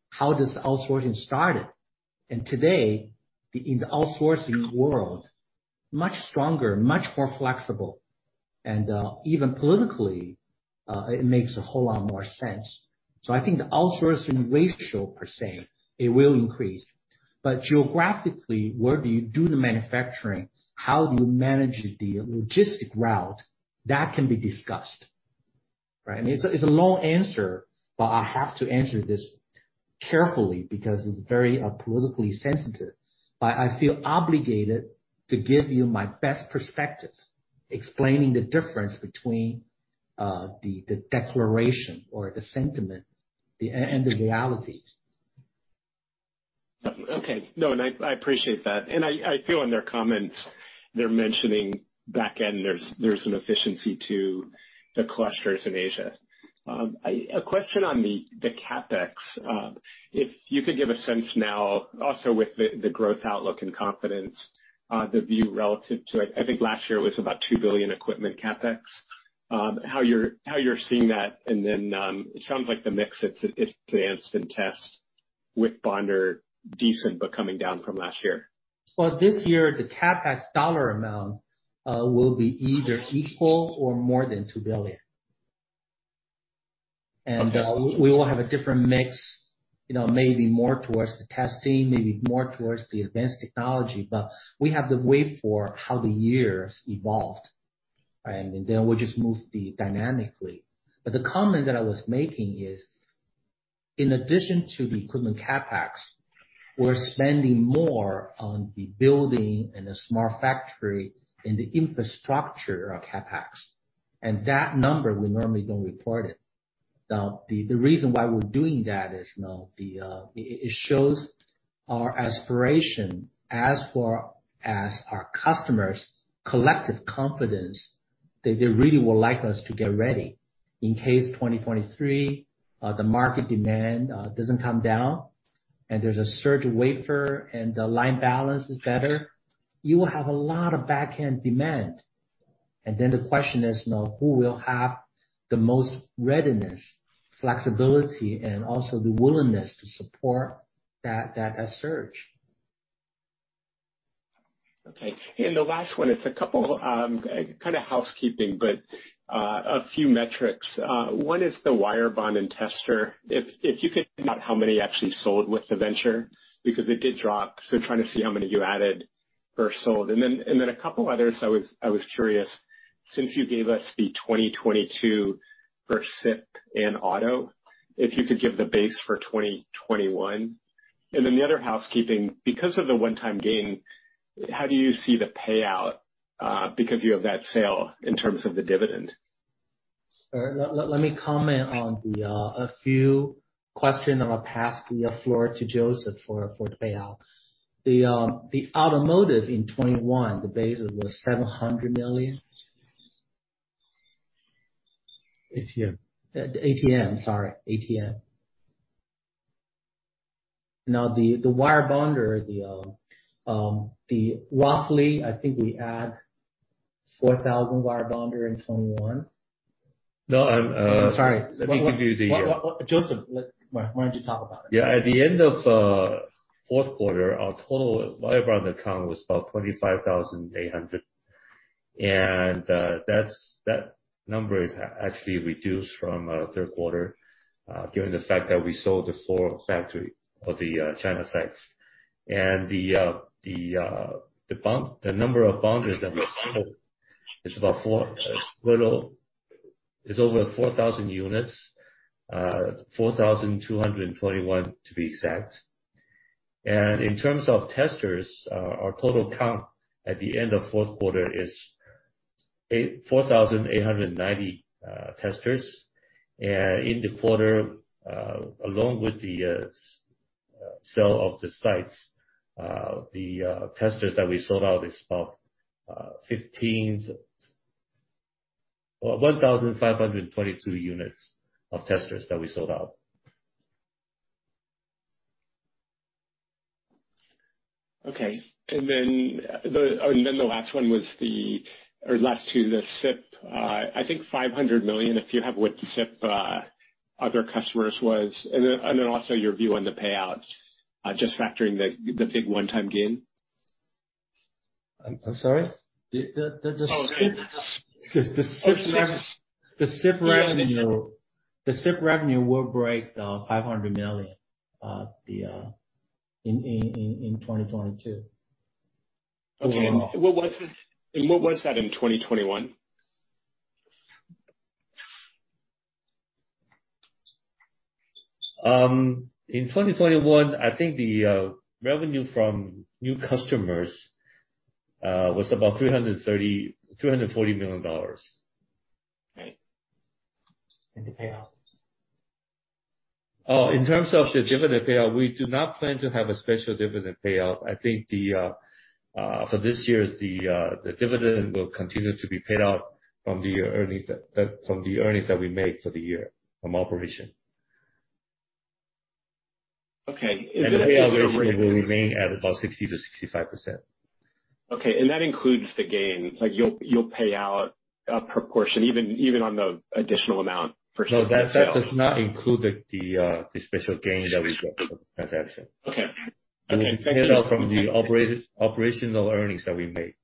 S2: how does the outsourcing started? Today, in the outsourcing world, much stronger, much more flexible, and even politically, it makes a whole lot more sense. I think the outsourcing ratio per se, it will increase. Geographically, where do you do the manufacturing? How do you manage the logistic route? That can be discussed, right? I mean, it's a long answer, but I have to answer this carefully because it's very politically sensitive. I feel obligated to give you my best perspective, explaining the difference between the declaration or the sentiment and the reality.
S5: Okay. No, I appreciate that. I feel in their comments they're mentioning back end, there's an efficiency to the clusters in Asia. A question on the CapEx. If you could give a sense now also with the growth outlook and confidence, the view relative to, I think last year it was about 2 billion equipment CapEx, how you're seeing that, and then, it sounds like the mix, it's the IC test with bonder decent but coming down from last year.
S2: Well, this year, the CapEx dollar amount will be either equal or more than $2 billion. We will have a different mix, you know, maybe more towards the testing, maybe more towards the advanced technology. We have to wait for how the year evolves, right? Then we'll just move dynamically. The comment that I was making is, in addition to the equipment CapEx, we're spending more on the building and the smart factory and the infrastructure of CapEx. That number, we normally don't report it. The reason why we're doing that is it shows our aspiration as our customers' collective confidence that they really would like us to get ready in case 2023, the market demand doesn't come down, and there's a surge wafer and the line balance is better. You will have a lot of back-end demand. The question is now, who will have the most readiness, flexibility, and also the willingness to support that surge?
S5: Okay. The last one is a couple kind of housekeeping, but a few metrics. One is the wire bond and tester. If you could note how many you actually sold in the quarter, because it did drop, so trying to see how many you added or sold. Then a couple others I was curious. Since you gave us the 2022 for SIP and auto, if you could give the base for 2021. The other housekeeping, because of the one-time gain, how do you see the payout because you have that sale in terms of the dividend?
S2: All right. Let me comment on a few questions, and I'll pass the floor to Joseph for the payout. The automotive in 2021, the base was 700 million.
S3: ATM.
S2: ATM. Now, the wirebonder. Roughly, I think we add 4,000 wirebonder in 2021.
S3: No, I'm
S2: I'm sorry.
S3: Let me give you the.
S2: What, Joseph, why don't you talk about it?
S3: Yeah. At the end of fourth quarter, our total wirebond count was about 25,800. That number is actually reduced from third quarter, given the fact that we sold the four factory of the China sites. The number of bonders that we sold is about four. Total is over 4,000 units, 4,221 to be exact. In terms of testers, our total count at the end of fourth quarter is 4,890 testers. In the quarter, along with the sell of the sites, the testers that we sold out is about 15. Or 1,522 units of testers that we sold out.
S5: Okay. The last one was or last two, the SiP, I think 500 million, if you have what the SiP other customers was. Also your view on the payout, just factoring the big one-time gain.
S3: I'm sorry?
S2: The SiP
S5: Oh.
S2: The SiP rev-
S5: Oh, sorry.
S2: The SiP revenue.
S5: Yeah, the SiP.
S2: The SiP revenue will break 500 million in 2022.
S5: Okay. What was that in 2021?
S3: In 2021, I think the revenue from new customers was about $340 million.
S2: Right. The payout?
S3: Oh, in terms of the dividend payout, we do not plan to have a special dividend payout. I think for this year, the dividend will continue to be paid out from the earnings that we make for the year from operation.
S5: Okay.
S3: The payout ratio will remain at about 60%-65%.
S5: Okay. That includes the gain. Like, you'll pay out a proportion even on the additional amount for SiP sale.
S3: No, that does not include the special gain that we got from transaction.
S5: Okay. Okay, thank you.
S3: It will be paid out from the operational earnings that we made.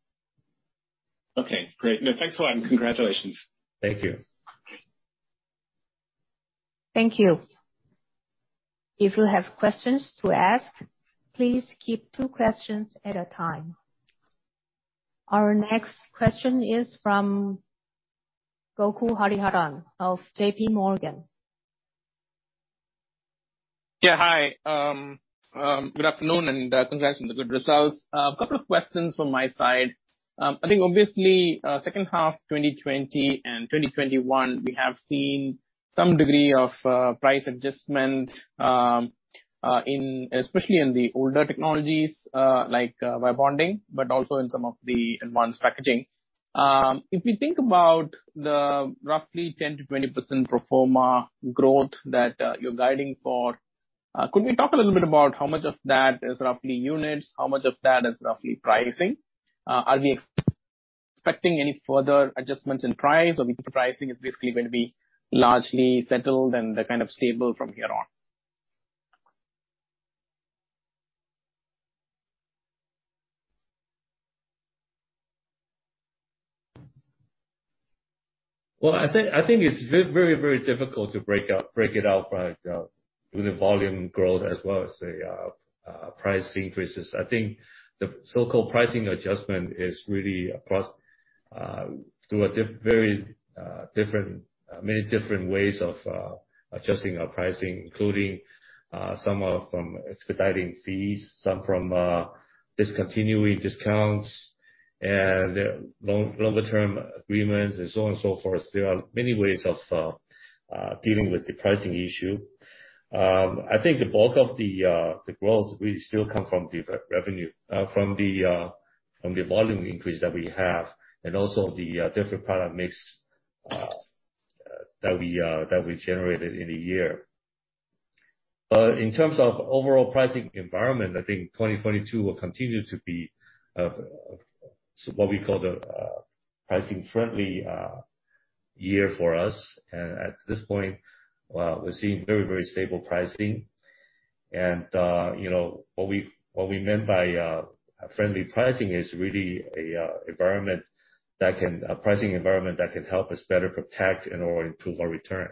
S5: Okay, great. No, thanks a lot, and congratulations.
S3: Thank you.
S4: Thank you. If you have questions to ask, please keep two questions at a time. Our next question is from Gokul Hariharan of J.P. Morgan.
S6: Yeah, hi. Good afternoon, and congrats on the good results. A couple of questions from my side. I think obviously, second half 2020 and 2021, we have seen some degree of price adjustment, especially in the older technologies, like wire bonding, but also in some of the advanced packaging. If we think about the roughly 10%-20% pro forma growth that you're guiding for, could we talk a little bit about how much of that is roughly units, how much of that is roughly pricing? Are we expecting any further adjustments in price, or we think the pricing is basically going to be largely settled and kind of stable from here on?
S3: Well, I think it's very difficult to break it out by with the volume growth as well as the price increases. I think the so-called pricing adjustment is really across through a very different, many different ways of adjusting our pricing, including some are from expediting fees, some from discontinuing discounts and longer term agreements and so on and so forth. There are many ways of dealing with the pricing issue. I think the bulk of the growth really still come from the revenue from the volume increase that we have and also the different product mix. That we generated in a year. In terms of overall pricing environment, I think 2022 will continue to be what we call the pricing-friendly year for us. At this point, we're seeing very, very stable pricing. You know, what we meant by friendly pricing is really a pricing environment that can help us better protect in order to improve our return.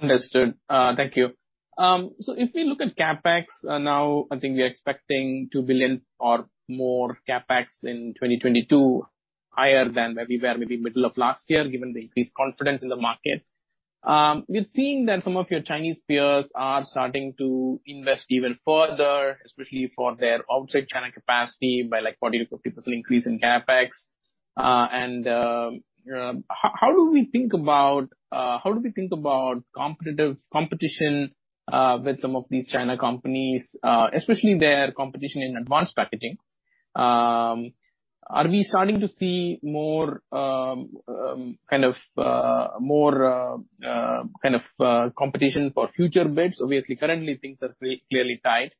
S6: Understood. Thank you. If we look at CapEx, now I think we are expecting $2 billion or more CapEx in 2022, higher than where we were maybe middle of last year, given the increased confidence in the market. We're seeing that some of your Chinese peers are starting to invest even further, especially for their outside China capacity by, like, 40%-50% increase in CapEx. You know, how do we think about competition with some of these China companies, especially their competition in advanced packaging? Are we starting to see more competition for future bids? Obviously, currently things are clearly tied.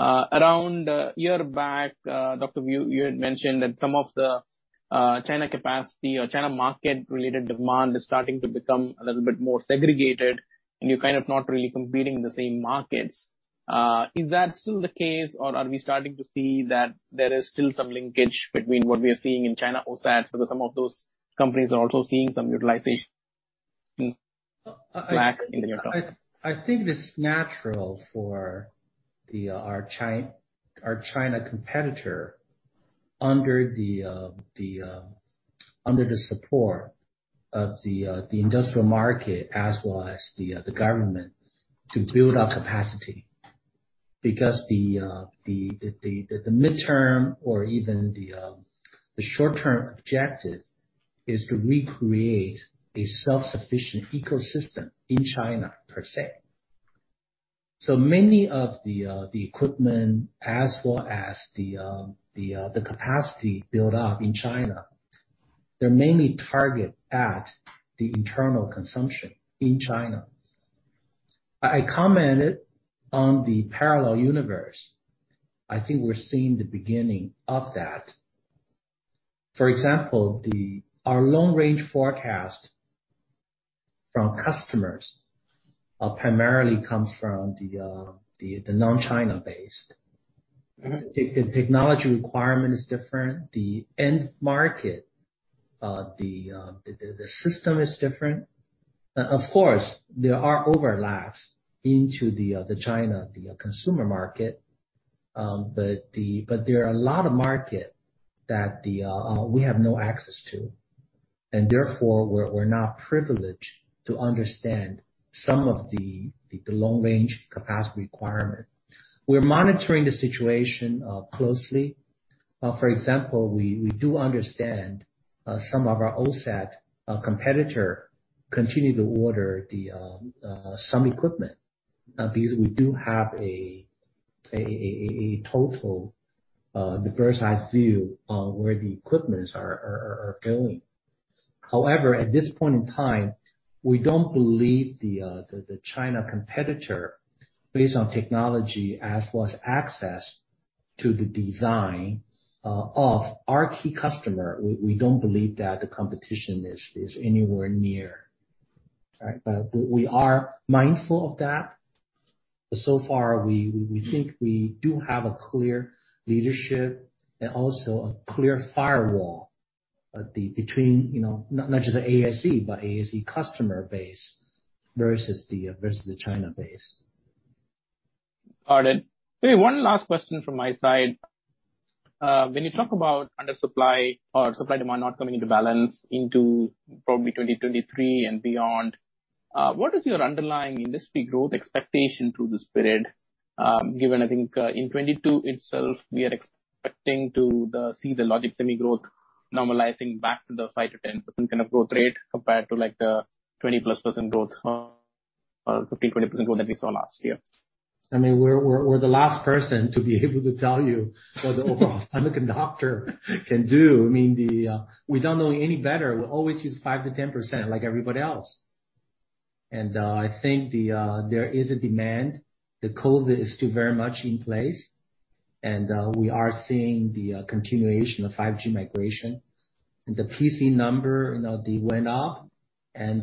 S6: Around a year back, Dr. Wu, you had mentioned that some of the China capacity or China market-related demand is starting to become a little bit more segregated, and you're kind of not really competing in the same markets. Is that still the case, or are we starting to see that there is still some linkage between what we are seeing in China OSAT, because some of those companies are also seeing some utilization slack in the near term?
S2: I think it is natural for our China competitor under the support of the industrial market as well as the government to build up capacity. Because the midterm or even the short-term objective is to recreate a self-sufficient ecosystem in China, per se. Many of the equipment as well as the capacity built up in China, they're mainly targeted at the internal consumption in China. I commented on the parallel universe. I think we're seeing the beginning of that. For example, our long-range forecast from customers primarily comes from the non-China based.
S6: Mm-hmm.
S2: The technology requirement is different. The end market, the system is different. Of course, there are overlaps into the China consumer market. But there are a lot of market that we have no access to. Therefore, we're not privileged to understand some of the long-range capacity requirement. We're monitoring the situation closely. For example, we do understand some of our OSAT competitor continue to order some equipment, because we do have a total bird's-eye view on where the equipments are going. However, at this point in time, we don't believe the China competitor, based on technology as well as access to the design of our key customer, we don't believe that the competition is anywhere near.
S6: Right.
S2: We are mindful of that. So far, we think we do have a clear leadership and also a clear firewall between, you know, not just the ASE, but ASE customer base versus the China base.
S6: Got it. Maybe one last question from my side. When you talk about under supply or supply-demand not coming into balance into probably 2023 and beyond, what is your underlying industry growth expectation through this period? Given, I think, in 2022 itself, we are expecting to see the logic semi growth normalizing back to the 5%-10% kind of growth rate compared to like the 20%+ growth or 15%-20% growth that we saw last year.
S2: I mean, we're the last person to be able to tell you what the overall semiconductor can do. I mean, we don't know any better. We always use 5%-10% like everybody else. I think there is a demand. The COVID is still very much in place, and we are seeing the continuation of 5G migration. The PC number, you know, they went up, and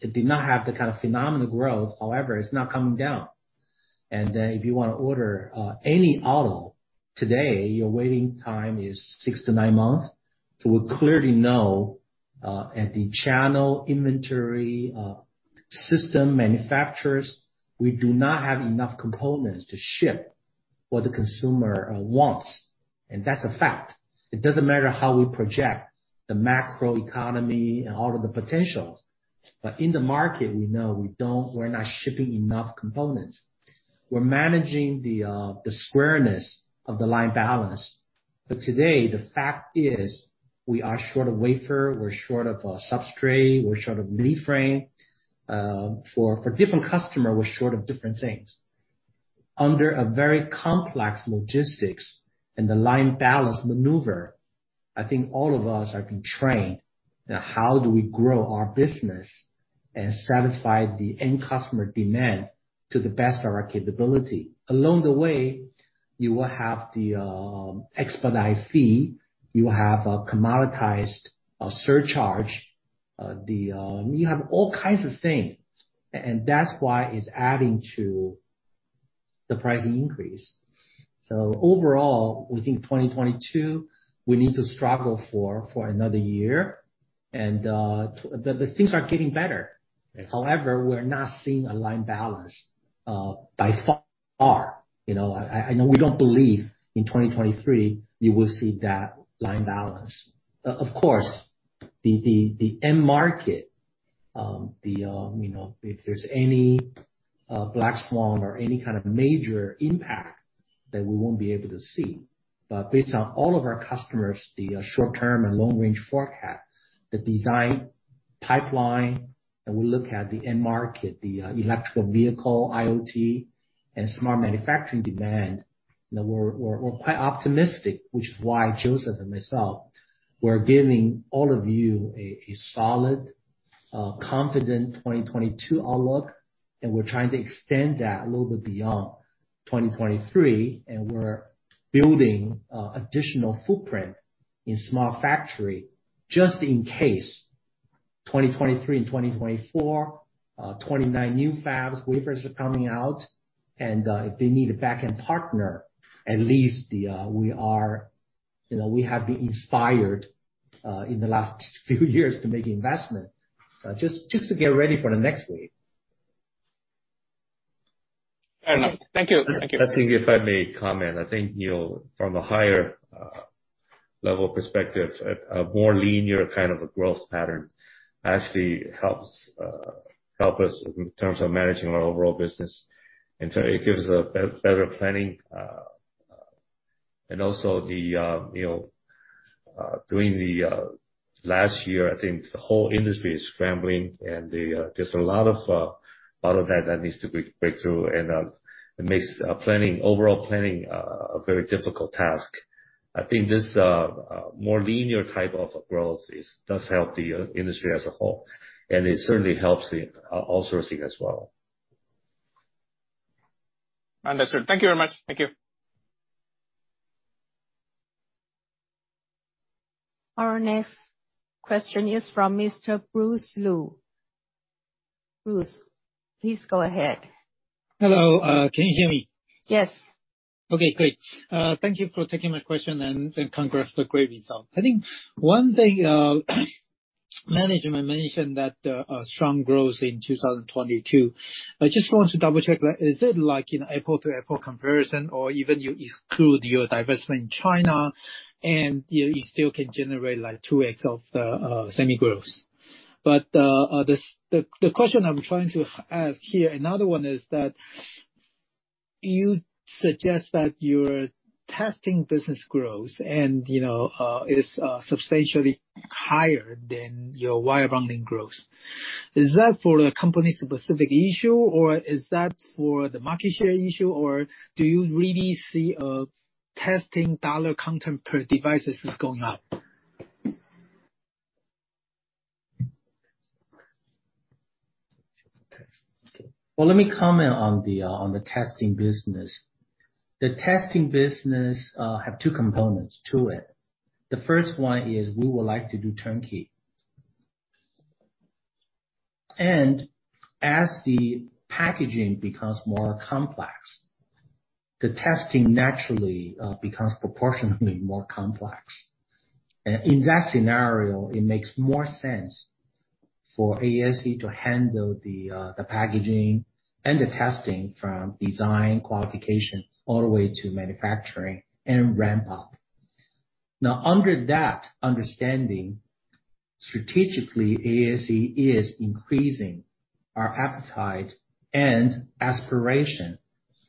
S2: it did not have the kind of phenomenal growth. However, it's not coming down. If you wanna order any auto today, your waiting time is six-nine months. We clearly know at the channel inventory, system manufacturers, we do not have enough components to ship what the consumer wants. That's a fact. It doesn't matter how we project the macro economy and all of the potentials, but in the market, we know we're not shipping enough components. We're managing the scarcity of the line balance. Today, the fact is we are short of wafer, we're short of substrate, we're short of leadframe. For different customer, we're short of different things. Under a very complex logistics and the line balance maneuver, I think all of us have been trained that how do we grow our business and satisfy the end customer demand to the best of our capability. Along the way, you will have the expedite fee, you will have a commoditized surcharge, you have all kinds of things, and that's why it's adding to the pricing increase. Overall, we think 2022, we need to struggle for another year and the things are getting better. However, we're not seeing a line balance by far. You know, I know we don't believe in 2023 you will see that line balance. Of course, the end market, you know, if there's any black swan or any kind of major impact that we won't be able to see. But based on all of our customers, the short-term and long-range forecast, the design pipeline, and we look at the end market, the electric vehicle, IoT, and smart manufacturing demand, you know, we're quite optimistic, which is why Joseph and myself, we're giving all of you a solid confident 2022 outlook. We're trying to extend that a little bit beyond 2023, and we're building additional footprint in smart factory just in case 2023 and 2024, 29 new fabs, wafers are coming out, and if they need a backend partner, at least we are, you know, we have been inspired in the last few years to make investment just to get ready for the next wave.
S6: Fair enough. Thank you. Thank you.
S3: I think if I may comment. I think, you know, from a higher level perspective, a more linear kind of a growth pattern actually helps us in terms of managing our overall business. It gives a better planning. Also, you know, during the last year, I think the whole industry is scrambling and there's a lot of that that needs to break through and it makes overall planning a very difficult task. I think this more linear type of growth does help the industry as a whole, and it certainly helps the outsourcing as well.
S6: Understood. Thank you very much. Thank you.
S4: Our next question is from Bruce Lu, please go ahead.
S7: Hello. Can you hear me?
S4: Yes.
S7: Okay, great. Thank you for taking my question, and congrats for great result. I think one thing, management mentioned that, a strong growth in 2022. I just want to double-check. Like, is it like in apples-to-apples comparison or even you exclude your divestment in China and you still can generate like 2x of the, semi growth? The question I'm trying to ask here, another one is that you suggest that your testing business growth and, you know, is substantially higher than your wire bonding growth. Is that for a company-specific issue, or is that for the market share issue, or do you really see a testing dollar content per devices is going up?
S2: Well, let me comment on the testing business. The testing business have two components to it. The first one is we would like to do turnkey. As the packaging becomes more complex, the testing naturally becomes proportionately more complex. In that scenario, it makes more sense for ASE to handle the packaging and the testing from design qualification all the way to manufacturing and ramp up. Now, under that understanding, strategically, ASE is increasing our appetite and aspiration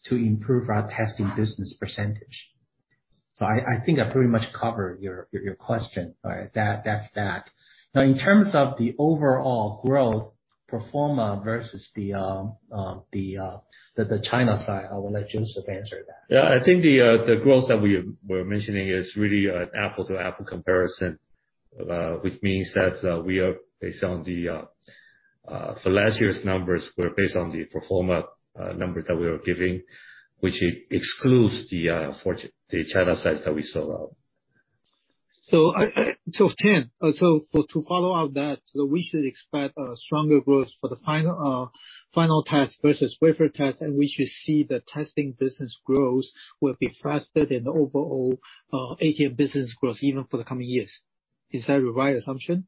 S2: to improve our testing business percentage. I think I pretty much covered your question. All right? That's that. In terms of the overall growth pro forma versus the China side, I will let Joseph answer that.
S3: Yeah. I think the growth that we were mentioning is really an apple-to-apple comparison, which means that for last year's numbers were based on the pro forma number that we were giving, which excludes the China sites that we sold out.
S7: Tien. To follow up that, we should expect a stronger growth for the final test versus wafer test, and we should see the testing business growth will be faster than the overall ATM business growth even for the coming years. Is that the right assumption?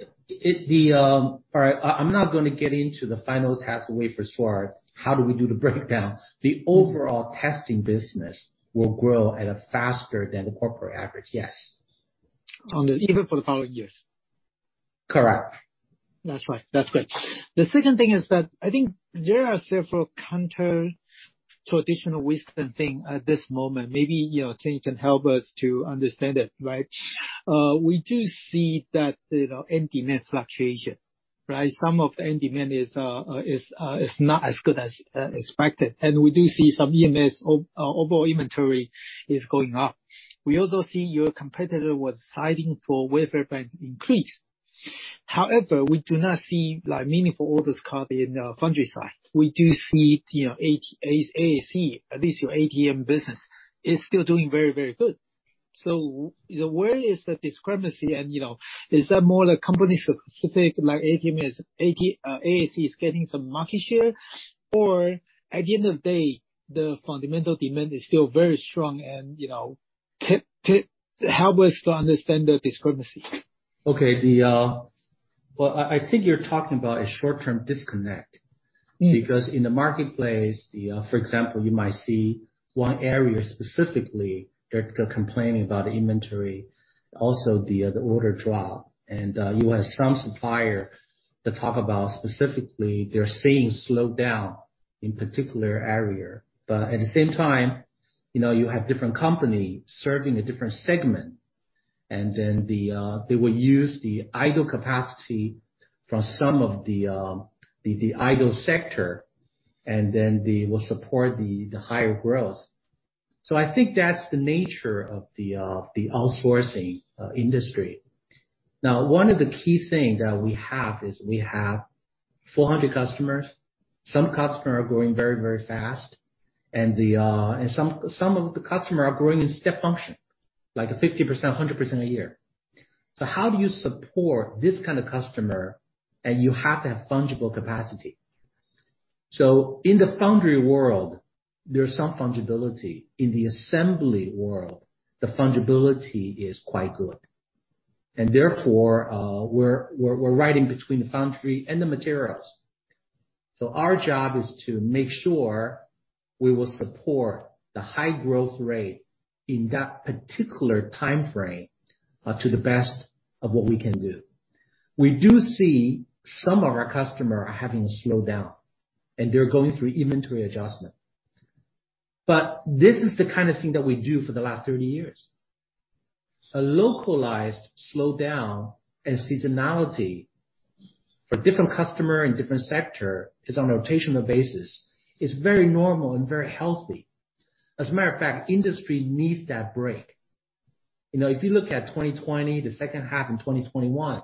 S2: All right. I'm not gonna get into the final test wafer as far as how do we do the breakdown. The overall testing business will grow at a faster than the corporate average, yes.
S7: Even for the following years?
S2: Correct.
S7: That's right. That's great. The second thing is that I think there are several counter to traditional wisdom things at this moment. Maybe, you know, Tien can help us to understand it, right? We do see that, you know, end demand fluctuation. Right. Some of the end demand is not as good as expected. We do see some EMS overall inventory is going up. We also see your competitor was citing a wafer bank increase. However, we do not see, like, meaningful orders come in, foundry side. We do see, you know, at ASE, at least your ATM business, is still doing very, very good. Where is the discrepancy and, you know, is that more like company specific, like ATM is, ASE is getting some market share? At the end of the day, the fundamental demand is still very strong and, you know, can help us to understand the discrepancy.
S2: Okay. Well, I think you're talking about a short-term disconnect.
S7: Mm-hmm.
S2: Because in the marketplace, for example, you might see one area specifically, they're complaining about the inventory, also the order drop. You have some supplier that talk about specifically, they're seeing slowdown in particular area. At the same time, you know, you have different company serving a different segment, and then they will use the idle capacity from some of the idle sector, and then they will support the higher growth. I think that's the nature of the outsourcing industry. Now, one of the key thing that we have is we have 400 customers. Some customer are growing very fast, and some of the customer are growing in step function, like 50%, 100% a year. How do you support this kind of customer and you have to have fungible capacity? In the foundry world, there's some fungibility. In the assembly world, the fungibility is quite good. Therefore, we're riding between the foundry and the materials. Our job is to make sure we will support the high growth rate in that particular timeframe to the best of what we can do. We do see some of our customer are having a slowdown, and they're going through inventory adjustment. This is the kind of thing that we do for the last 30 years. A localized slowdown and seasonality for different customer in different sector is on a rotational basis. It's very normal and very healthy. As a matter of fact, industry needs that break. You know, if you look at 2020, the second half in 2021,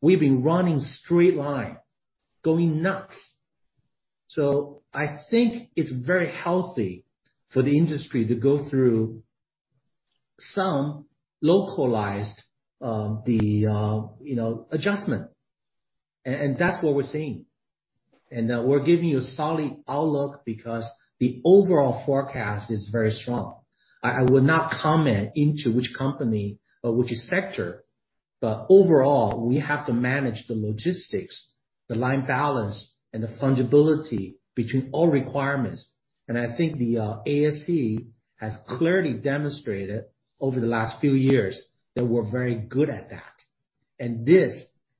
S2: we've been running straight line, going nuts. I think it's very healthy for the industry to go through some localized, you know, adjustment. That's what we're seeing. We're giving you a solid outlook because the overall forecast is very strong. I would not comment into which company or which sector, but overall, we have to manage the logistics, the line balance, and the fungibility between all requirements. I think the ASE has clearly demonstrated over the last few years that we're very good at that. This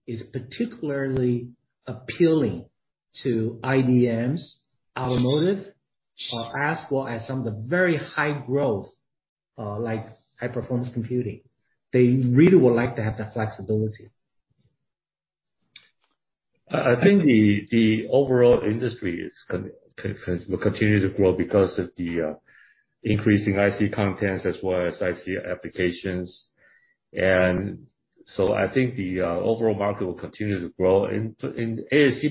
S2: is particularly appealing to IDMs, automotive, or as well as some of the very high growth, like high-performance computing. They really would like to have that flexibility.
S3: I think the overall industry will continue to grow because of the increasing IC contents as well as IC applications. I think the overall market will continue to grow. In ASE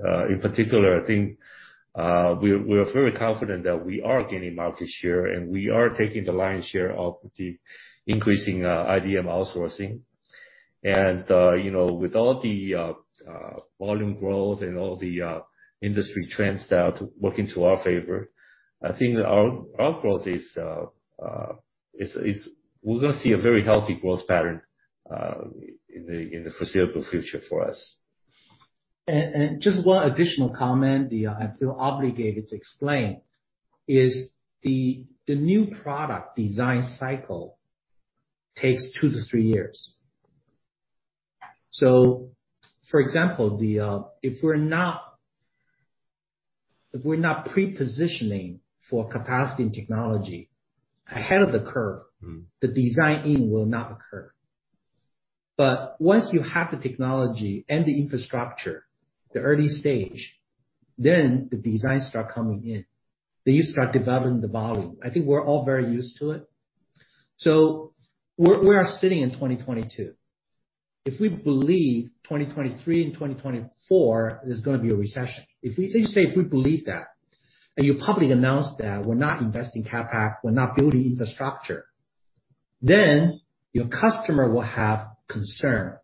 S3: in particular, I think we're very confident that we are gaining market share, and we are taking the lion's share of the increasing IDM outsourcing. You know, with all the volume growth and all the industry trends that are working to our favor, I think our growth is we're gonna see a very healthy growth pattern in the foreseeable future for us.
S2: Just one additional comment I feel obligated to explain is the new product design cycle takes 2-3 years. For example, if we're not pre-positioning for capacity and technology ahead of the curve-
S3: Mm-hmm.
S2: The design-in will not occur. Once you have the technology and the infrastructure, the early stage, then the designs start coming in, then you start developing the volume. I think we're all very used to it. We are sitting in 2022. If we believe 2023 and 2024, there's gonna be a recession. If we, let's say, if we believe that, and you publicly announce that we're not investing CapEx, we're not building infrastructure, then your customer will have concern.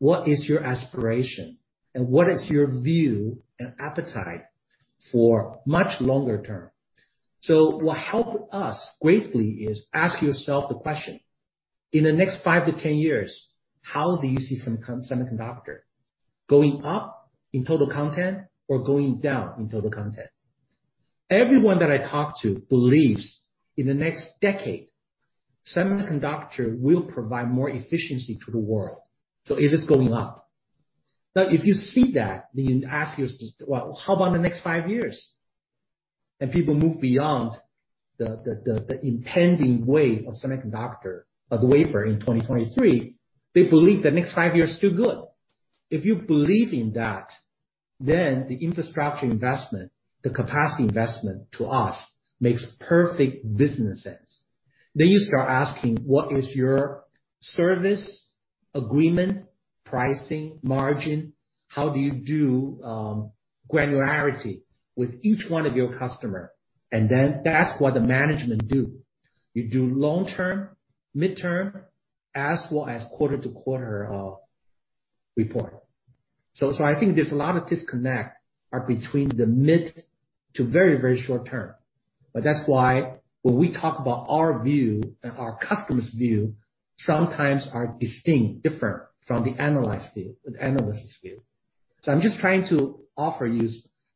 S2: What is your aspiration and what is your view and appetite for much longer term? What helps us greatly is to ask yourself the question, in the next 5 to 10 years, how do you see semiconductor going up in total content or going down in total content? Everyone that I talk to believes in the next decade, semiconductor will provide more efficiency to the world, so it is going up. Now, if you see that, you ask yourself. Well, how about the next five years? People move beyond the impending wave of semiconductor of the wafer in 2023. They believe the next five years is still good. If you believe in that, the infrastructure investment, the capacity investment to us makes perfect business sense. You start asking, what is your service agreement, pricing, margin? How do you do granularity with each one of your customer? Then that's what the Management do. You do long-term, midterm, as well as quarter-to-quarter report. I think there's a lot of disconnect between the mid to very short term. That's why when we talk about our view and our customers' view, sometimes are distinct, different from the analyst view, the analyst's view. I'm just trying to offer you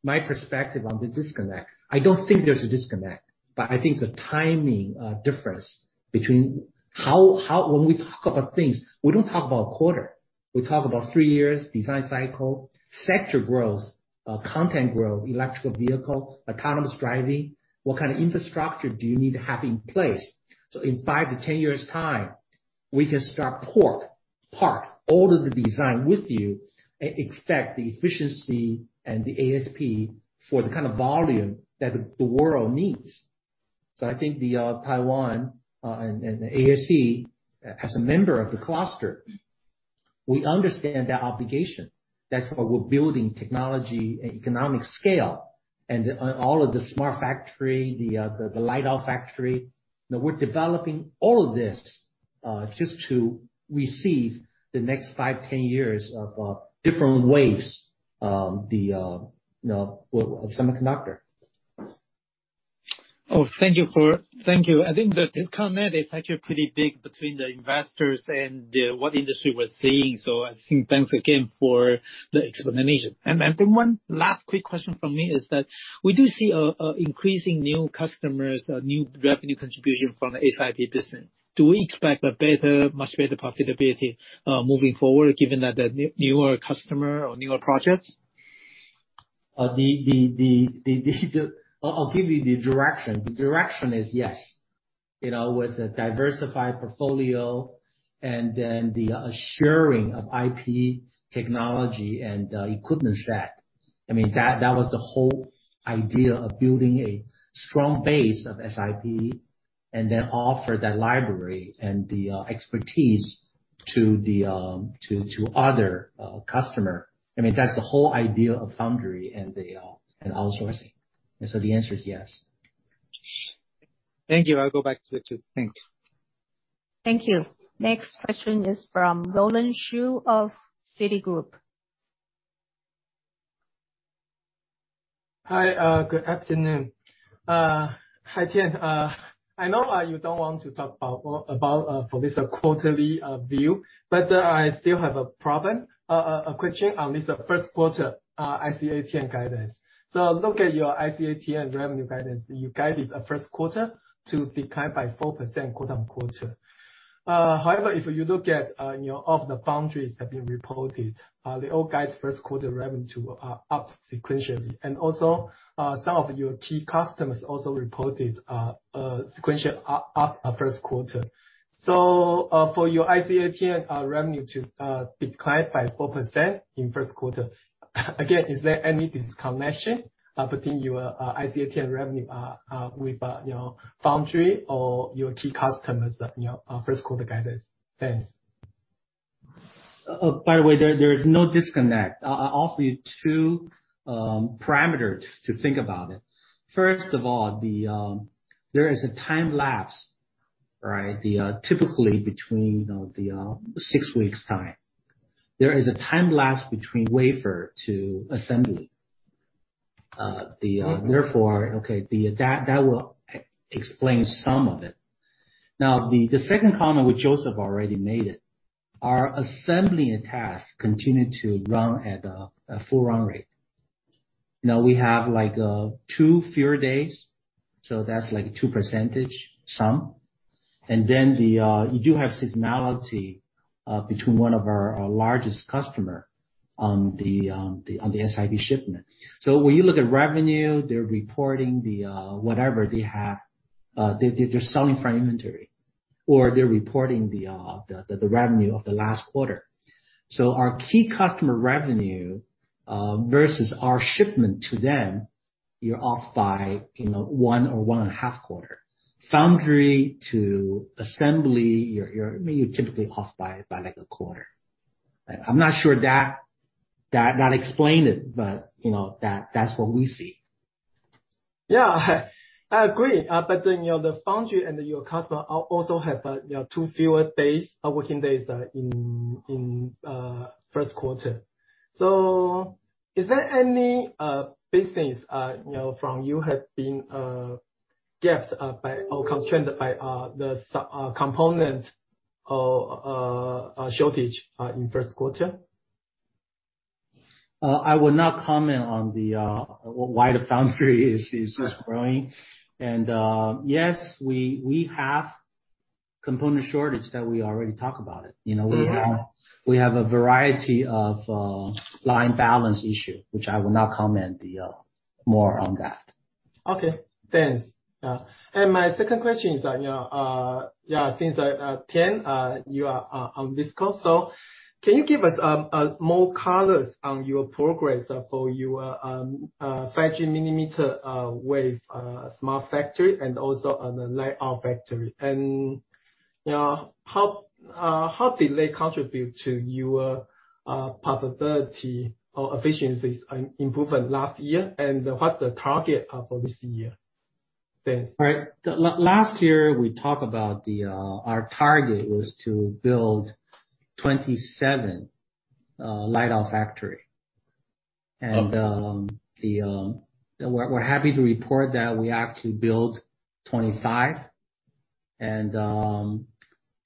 S2: my perspective on the disconnect. I don't think there's a disconnect, but I think the timing, difference between how when we talk about things, we don't talk about quarter. We talk about three-year design cycle, sector growth, content growth, electric vehicle, autonomous driving. What kind of infrastructure do you need to have in place? In five-10 years' time, we can start work, partner all of the design with you and expect the efficiency and the ASP for the kind of volume that the world needs. I think the Taiwan and ASE as a member of the cluster, we understand that obligation. That's why we're building technology and economic scale and all of the smart factory, the lights-out factory. You know, we're developing all of this just to receive the next five, 10 years of different waves, you know, of semiconductor.
S7: Oh, thank you. Thank you. I think the disconnect is actually pretty big between the investors and what industry we're seeing. I think thanks again for the explanation. Then one last quick question from me is that we do see increasing new customers, new revenue contribution from the SIP business. Do we expect a better, much better profitability moving forward, given that the newer customer or newer projects?
S2: I'll give you the direction. The direction is yes. You know, with a diversified portfolio and then the assuring of IP technology and equipment set. I mean, that was the whole idea of building a strong base of SiP and then offer that library and the expertise to the other customer. I mean, that's the whole idea of foundry and then outsourcing. The answer is yes.
S7: Thank you. I'll go back to Rick Hsu. Thanks.
S4: Thank you. Next question is from Roland Shu of Citigroup.
S8: Hi, good afternoon. Hi, Tien. I know you don't want to talk about for this quarterly view, but I still have a problem, a question on this first quarter, IC ATM and guidance. Look at your IC ATM and revenue guidance. You guided the first quarter to decline by 4% quarter-on-quarter. However, if you look at, you know, the foundries have reported, they all guide first quarter revenue up sequentially. And also, some of your key customers also reported sequential up first quarter. For your IC ATM and revenue to decline by 4% in first quarter. Again, is there any disconnection between your IC ATM and revenue with, you know, foundry or your key customers, you know, first quarter guidance? Thanks.
S2: By the way, there is no disconnect. I offer you two parameters to think about it. First of all, there is a time lapse, right? Typically between, you know, the six weeks time. There is a time lapse between wafer to assembly. Therefore, that will explain some of it. Now, the second comment, which Joseph already made it, our assembly tasks continued to run at a full run rate. Now, we have like two fewer days, so that's like 2% some. You do have seasonality between one of our largest customer on the SiP shipment. When you look at revenue, they're reporting whatever they have. They're selling for inventory, or they're reporting the revenue of the last quarter. Our key customer revenue versus our shipment to them, you're off by, you know, one or 1.5 quarters. Foundry to assembly, you're, I mean, you're typically off by like a quarter. I'm not sure that explain it, but you know that's what we see.
S8: Yeah. I agree. You know, the foundry and your customer also have, you know, two fewer days working days in first quarter. Is there any business, you know, from you have been gapped by or constrained by the component or shortage in first quarter?
S2: I will not comment on why the foundry is growing. Yes, we have component shortage that we already talk about it. You know.
S8: Uh-huh.
S2: We have a variety of line balance issue, which I will not comment the more on that.
S8: Okay. Thanks. My second question is, since Tien, you are on this call, so can you give us more colors on your progress for your 5G millimeter wave smart factory and also on the lights-out factory? How did they contribute to your profitability or efficiencies and improvement last year, and what's the target for this year? Thanks.
S2: All right. Last year, we talked about our target was to build 27 lights-out factories.
S8: Okay.
S2: We're happy to report that we actually built 25, and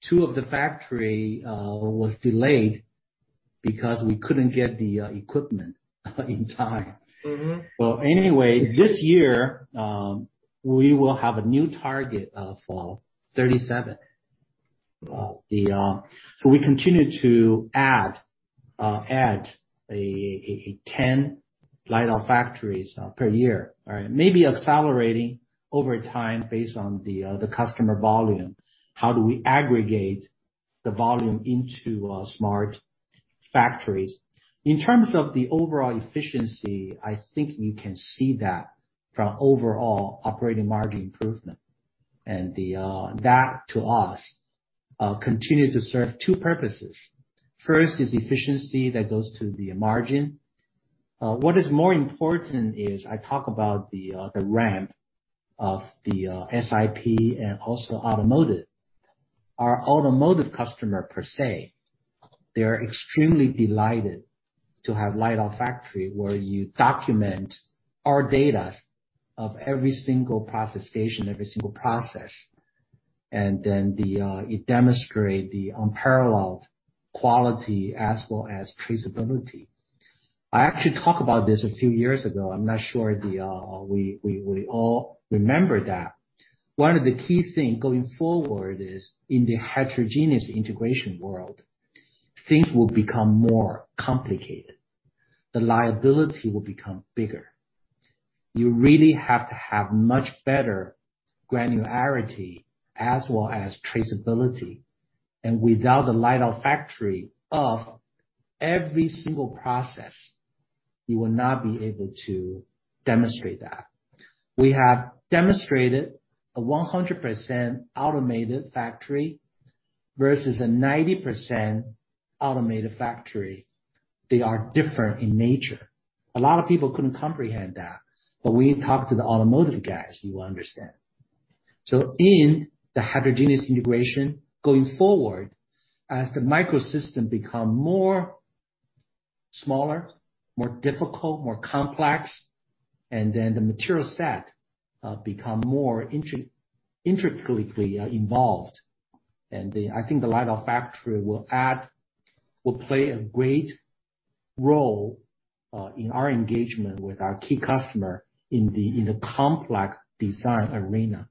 S2: two of the factories was delayed because we couldn't get the equipment in time.
S8: Mm-hmm.
S2: Well, anyway, this year, we will have a new target for 37.
S8: Wow.
S2: We continue to add 10 lights-out factories per year. All right? Maybe accelerating over time based on the customer volume. How do we aggregate the volume into smart factories? In terms of the overall efficiency, I think you can see that from overall operating margin improvement. That to us continue to serve two purposes. First is efficiency that goes to the margin. What is more important is I talk about the ramp of the SiP and also automotive. Our automotive customer per se, they're extremely delighted to have lights-out factory where you document our data of every single process station, every single process. Then it demonstrate the unparalleled quality as well as traceability. I actually talked about this a few years ago. I'm not sure we all remember that. One of the key things going forward is in the heterogeneous integration world, things will become more complicated. The liability will become bigger. You really have to have much better granularity as well as traceability. Without the lights-out factory of every single process, you will not be able to demonstrate that. We have demonstrated a 100% automated factory versus a 90% automated factory. They are different in nature. A lot of people couldn't comprehend that, but when you talk to the automotive guys, you will understand. In the heterogeneous integration going forward, as the microsystems become smaller, more difficult, more complex, and then the material set become more intricately involved. I think the lights-out factory will play a great role in our engagement with our key customer in the complex design arena.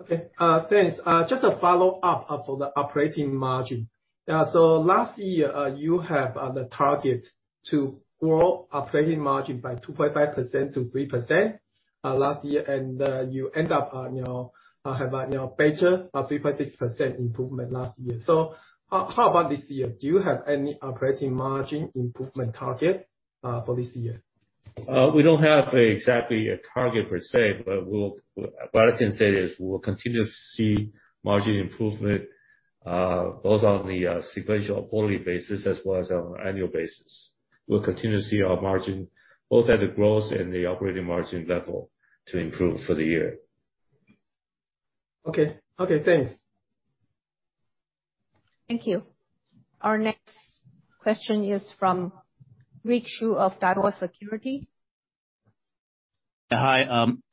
S8: Okay. Thanks. Just a follow-up for the operating margin. Last year, you have the target to grow operating margin by 2.5%-3%, last year. You end up you know have a you know better a 3.6% improvement last year. How about this year? Do you have any operating margin improvement target for this year?
S2: We don't have exactly a target per se, but what I can say is we'll continue to see margin improvement, both on the sequential quarterly basis as well as on annual basis. We'll continue to see our margin, both at the gross and the operating margin level to improve for the year.
S8: Okay. Okay, thanks.
S4: Thank you. Our next question is from Rick Hsu of Daiwa Securities.
S9: Hi.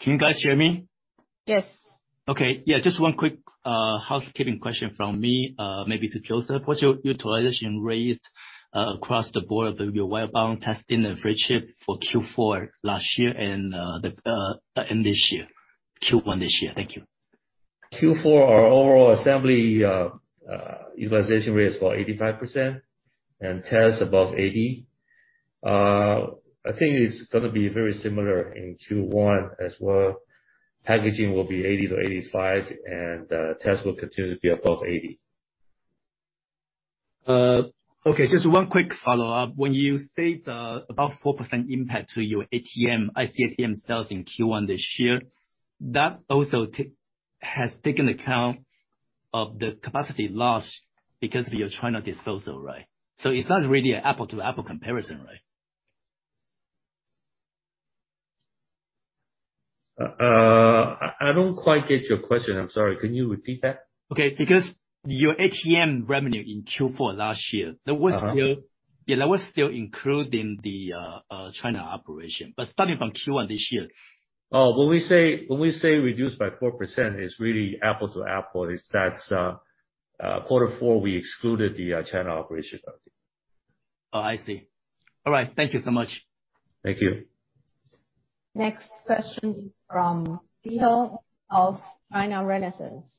S9: Can you guys hear me?
S4: Yes.
S9: Okay. Yeah, just one quick housekeeping question from me, maybe to Joseph. What's your utilization rate across the board of your wire bond testing and flip chip for Q4 last year and this year, Q1 this year? Thank you.
S2: Q4, our overall assembly utilization rate is about 85% and test above 80%. I think it's gonna be very similar in Q1 as well. Packaging will be 80%-85%, and test will continue to be above 80%.
S9: Okay, just one quick follow-up. When you state about 4% impact to your ATM, IC ATM sales in Q1 this year, that also has taken account of the capacity loss because of your China disposal, right? It's not really an apples-to-apples comparison, right?
S2: I don't quite get your question. I'm sorry. Can you repeat that?
S9: Okay. Because your ATM revenue in Q4 last year-
S2: Uh-huh.
S9: That was still, yeah, including the China operation. Starting from Q1 this year.
S2: When we say reduced by 4%, it's really apples to apples. In quarter four, we excluded the China operation.
S9: Oh, I see. All right. Thank you so much.
S2: Thank you.
S3: Next question is from Ziho of China Renaissance.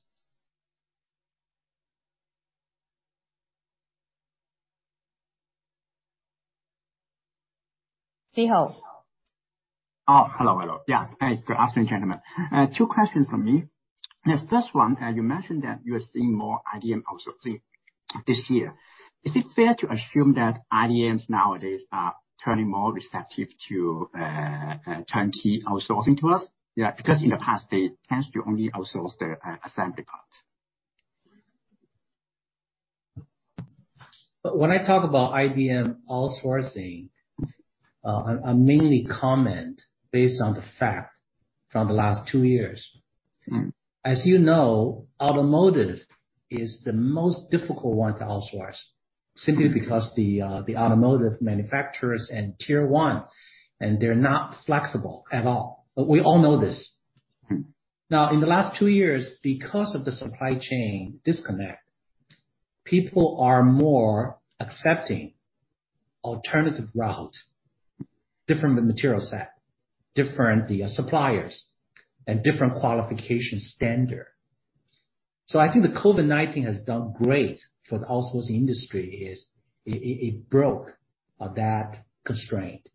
S3: Ziho.
S10: Good afternoon, gentlemen. Two questions from me. The first one, you mentioned that you are seeing more IDM outsourcing this year. Is it fair to assume that IDMs nowadays are turning more receptive to turnkey outsourcing to us? Yeah. Because in the past, they tend to only outsource the assembly part.
S2: When I talk about IDM outsourcing, I mainly comment based on the fact from the last two years.
S10: Mm-hmm.
S2: As you know, automotive is the most difficult one to outsource, simply because the automotive manufacturers and tier one, and they're not flexible at all. We all know this.
S10: Mm-hmm.
S2: Now, in the last two years, because of the supply chain disconnect, people are more accepting alternative route, different material set, different suppliers and different qualification standard. I think the COVID-19 has done great for the outsourcing industry, as it broke that constraint.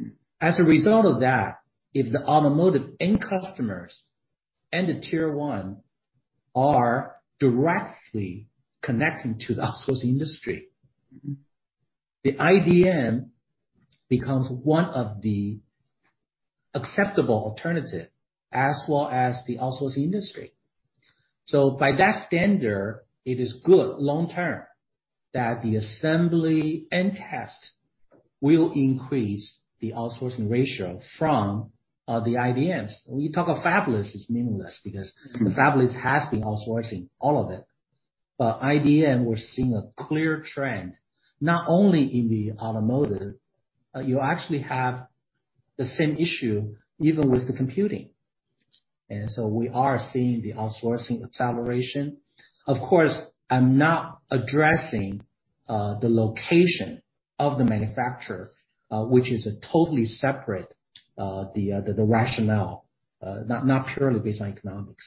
S10: Mm-hmm.
S2: As a result of that, if the automotive end customers and the tier one are directly connecting to the outsourcing industry.
S10: Mm-hmm.
S2: the IDM becomes one of the acceptable alternative as well as the outsourcing industry. By that standard, it is good long term that the assembly and test will increase the outsourcing ratio from the IDMs. We talk of fabless, it's meaningless because
S10: Mm-hmm.
S2: The fabless has been outsourcing all of it. IDM, we're seeing a clear trend, not only in the automotive, you actually have the same issue even with the computing. We are seeing the outsourcing acceleration. Of course, I'm not addressing the location of the manufacturer, which is a totally separate issue, the rationale not purely based on economics.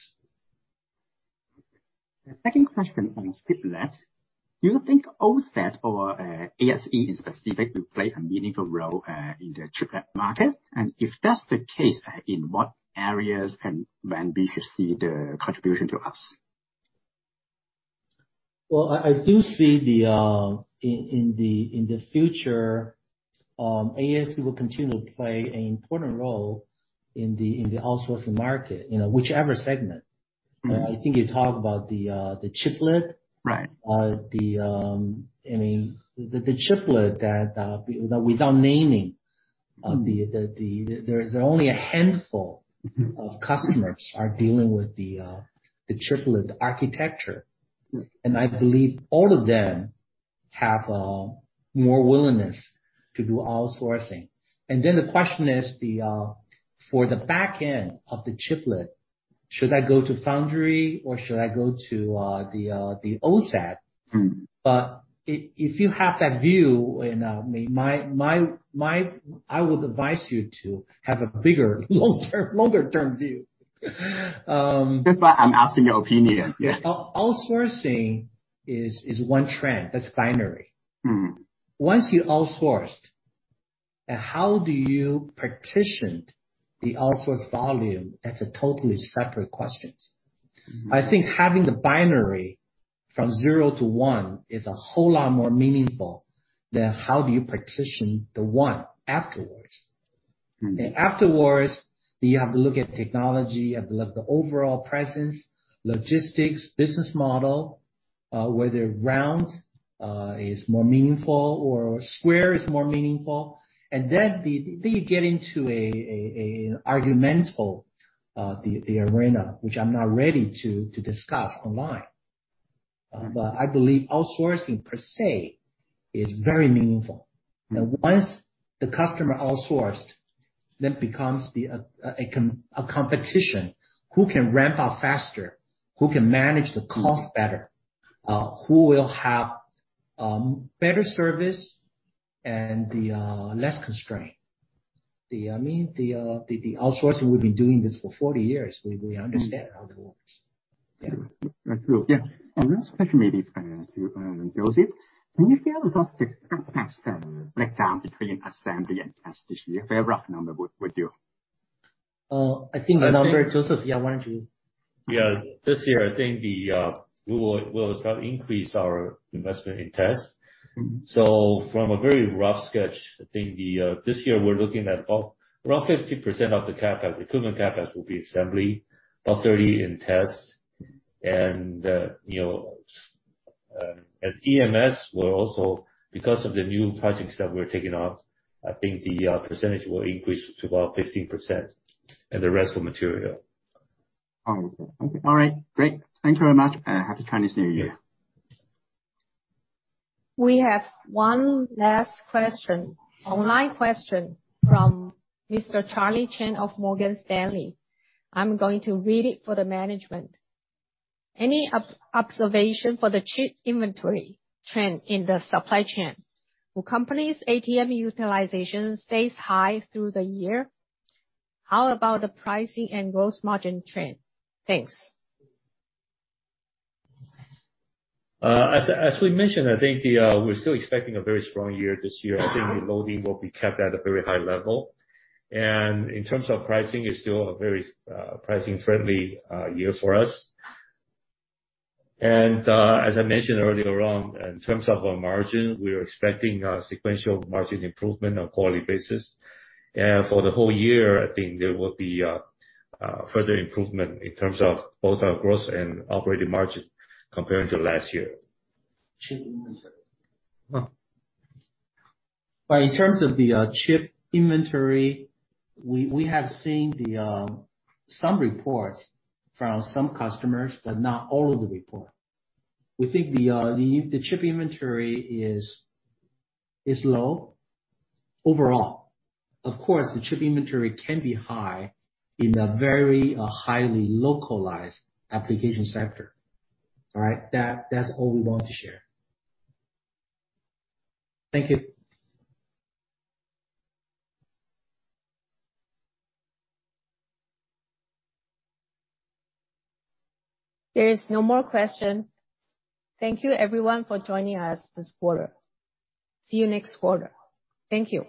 S10: The second question on chiplet. Do you think OSAT or ASE in specific will play a meaningful role in the chiplet market? If that's the case, in what areas can management see the contribution to us?
S2: Well, I do see in the future ASE will continue to play an important role in the outsourcing market, you know, whichever segment.
S10: Mm-hmm.
S2: I think you talk about the chiplet.
S10: Right.
S2: I mean, the chiplet that without naming, there's only a handful.
S10: Mm-hmm.
S2: of customers are dealing with the chiplet architecture.
S10: Right.
S2: I believe all of them have more willingness to do outsourcing. Then the question is, for the back end of the chiplet, should I go to foundry or should I go to the OSAT?
S10: Mm-hmm.
S2: If you have that view and I would advise you to have a bigger, long-term, longer term view.
S10: That's why I'm asking your opinion. Yeah.
S2: Outsourcing is one trend. That's binary.
S10: Mm-hmm.
S2: Once you outsourced, how do you partition the outsourced volume? That's a totally separate questions.
S10: Mm-hmm.
S2: I think having the binary from zero to one is a whole lot more meaningful than how do you partition the one afterwards.
S10: Mm-hmm.
S2: Afterwards, you have to look at technology, you have to look at the overall presence, logistics, business model, whether round is more meaningful or square is more meaningful. Then you get into an argumentative arena, which I'm not ready to discuss online.
S10: Mm-hmm.
S2: I believe outsourcing per se is very meaningful.
S10: Mm-hmm.
S2: Now, once the customer outsourced, it becomes a competition. Who can ramp up faster? Who can manage the cost better? Who will have better service and the less constraint? I mean, the outsourcing, we've been doing this for 40 years. We understand how it works. Yeah.
S10: That's true. Yeah. Last question, maybe to Joseph. Can you share with us the CapEx breakdown between assembly and test this year? A very rough number would do.
S2: I think the number, Joseph. Yeah, why don't you?
S3: Yeah. This year, I think we'll start increase our investment in test.
S10: Mm-hmm.
S3: From a very rough sketch, I think this year we're looking at about roughly 50% of the CapEx, the total CapEx will be assembly, about 30% in test. At EMS, we're also because of the new projects that we're taking on, I think the percentage will increase to about 15%, and the rest will material.
S10: Okay. All right. Great. Thank you very much, and Happy Chinese New Year.
S3: Happy New Year. We have one last question, online question from Mr. Charlie Chan of Morgan Stanley. I'm going to read it for the management. Any observation for the chip inventory trend in the supply chain? Will company's ATM utilization stays high through the year? How about the pricing and gross margin trend? Thanks. As we mentioned, I think we're still expecting a very strong year this year. I think the loading will be kept at a very high level. In terms of pricing, it's still a very pricing-friendly year for us. As I mentioned earlier on, in terms of our margin, we are expecting a sequential margin improvement on quarterly basis. For the whole year, I think there will be further improvement in terms of both our gross and operating margin compared to last year.
S2: Chip inventory. Well, in terms of the chip inventory, we have seen some reports from some customers, but not all of the report. We think the chip inventory is low overall. Of course, the chip inventory can be high in a very highly localized application sector. All right. That's all we want to share. Thank you.
S3: There is no more question. Thank you everyone for joining us this quarter. See you next quarter. Thank you.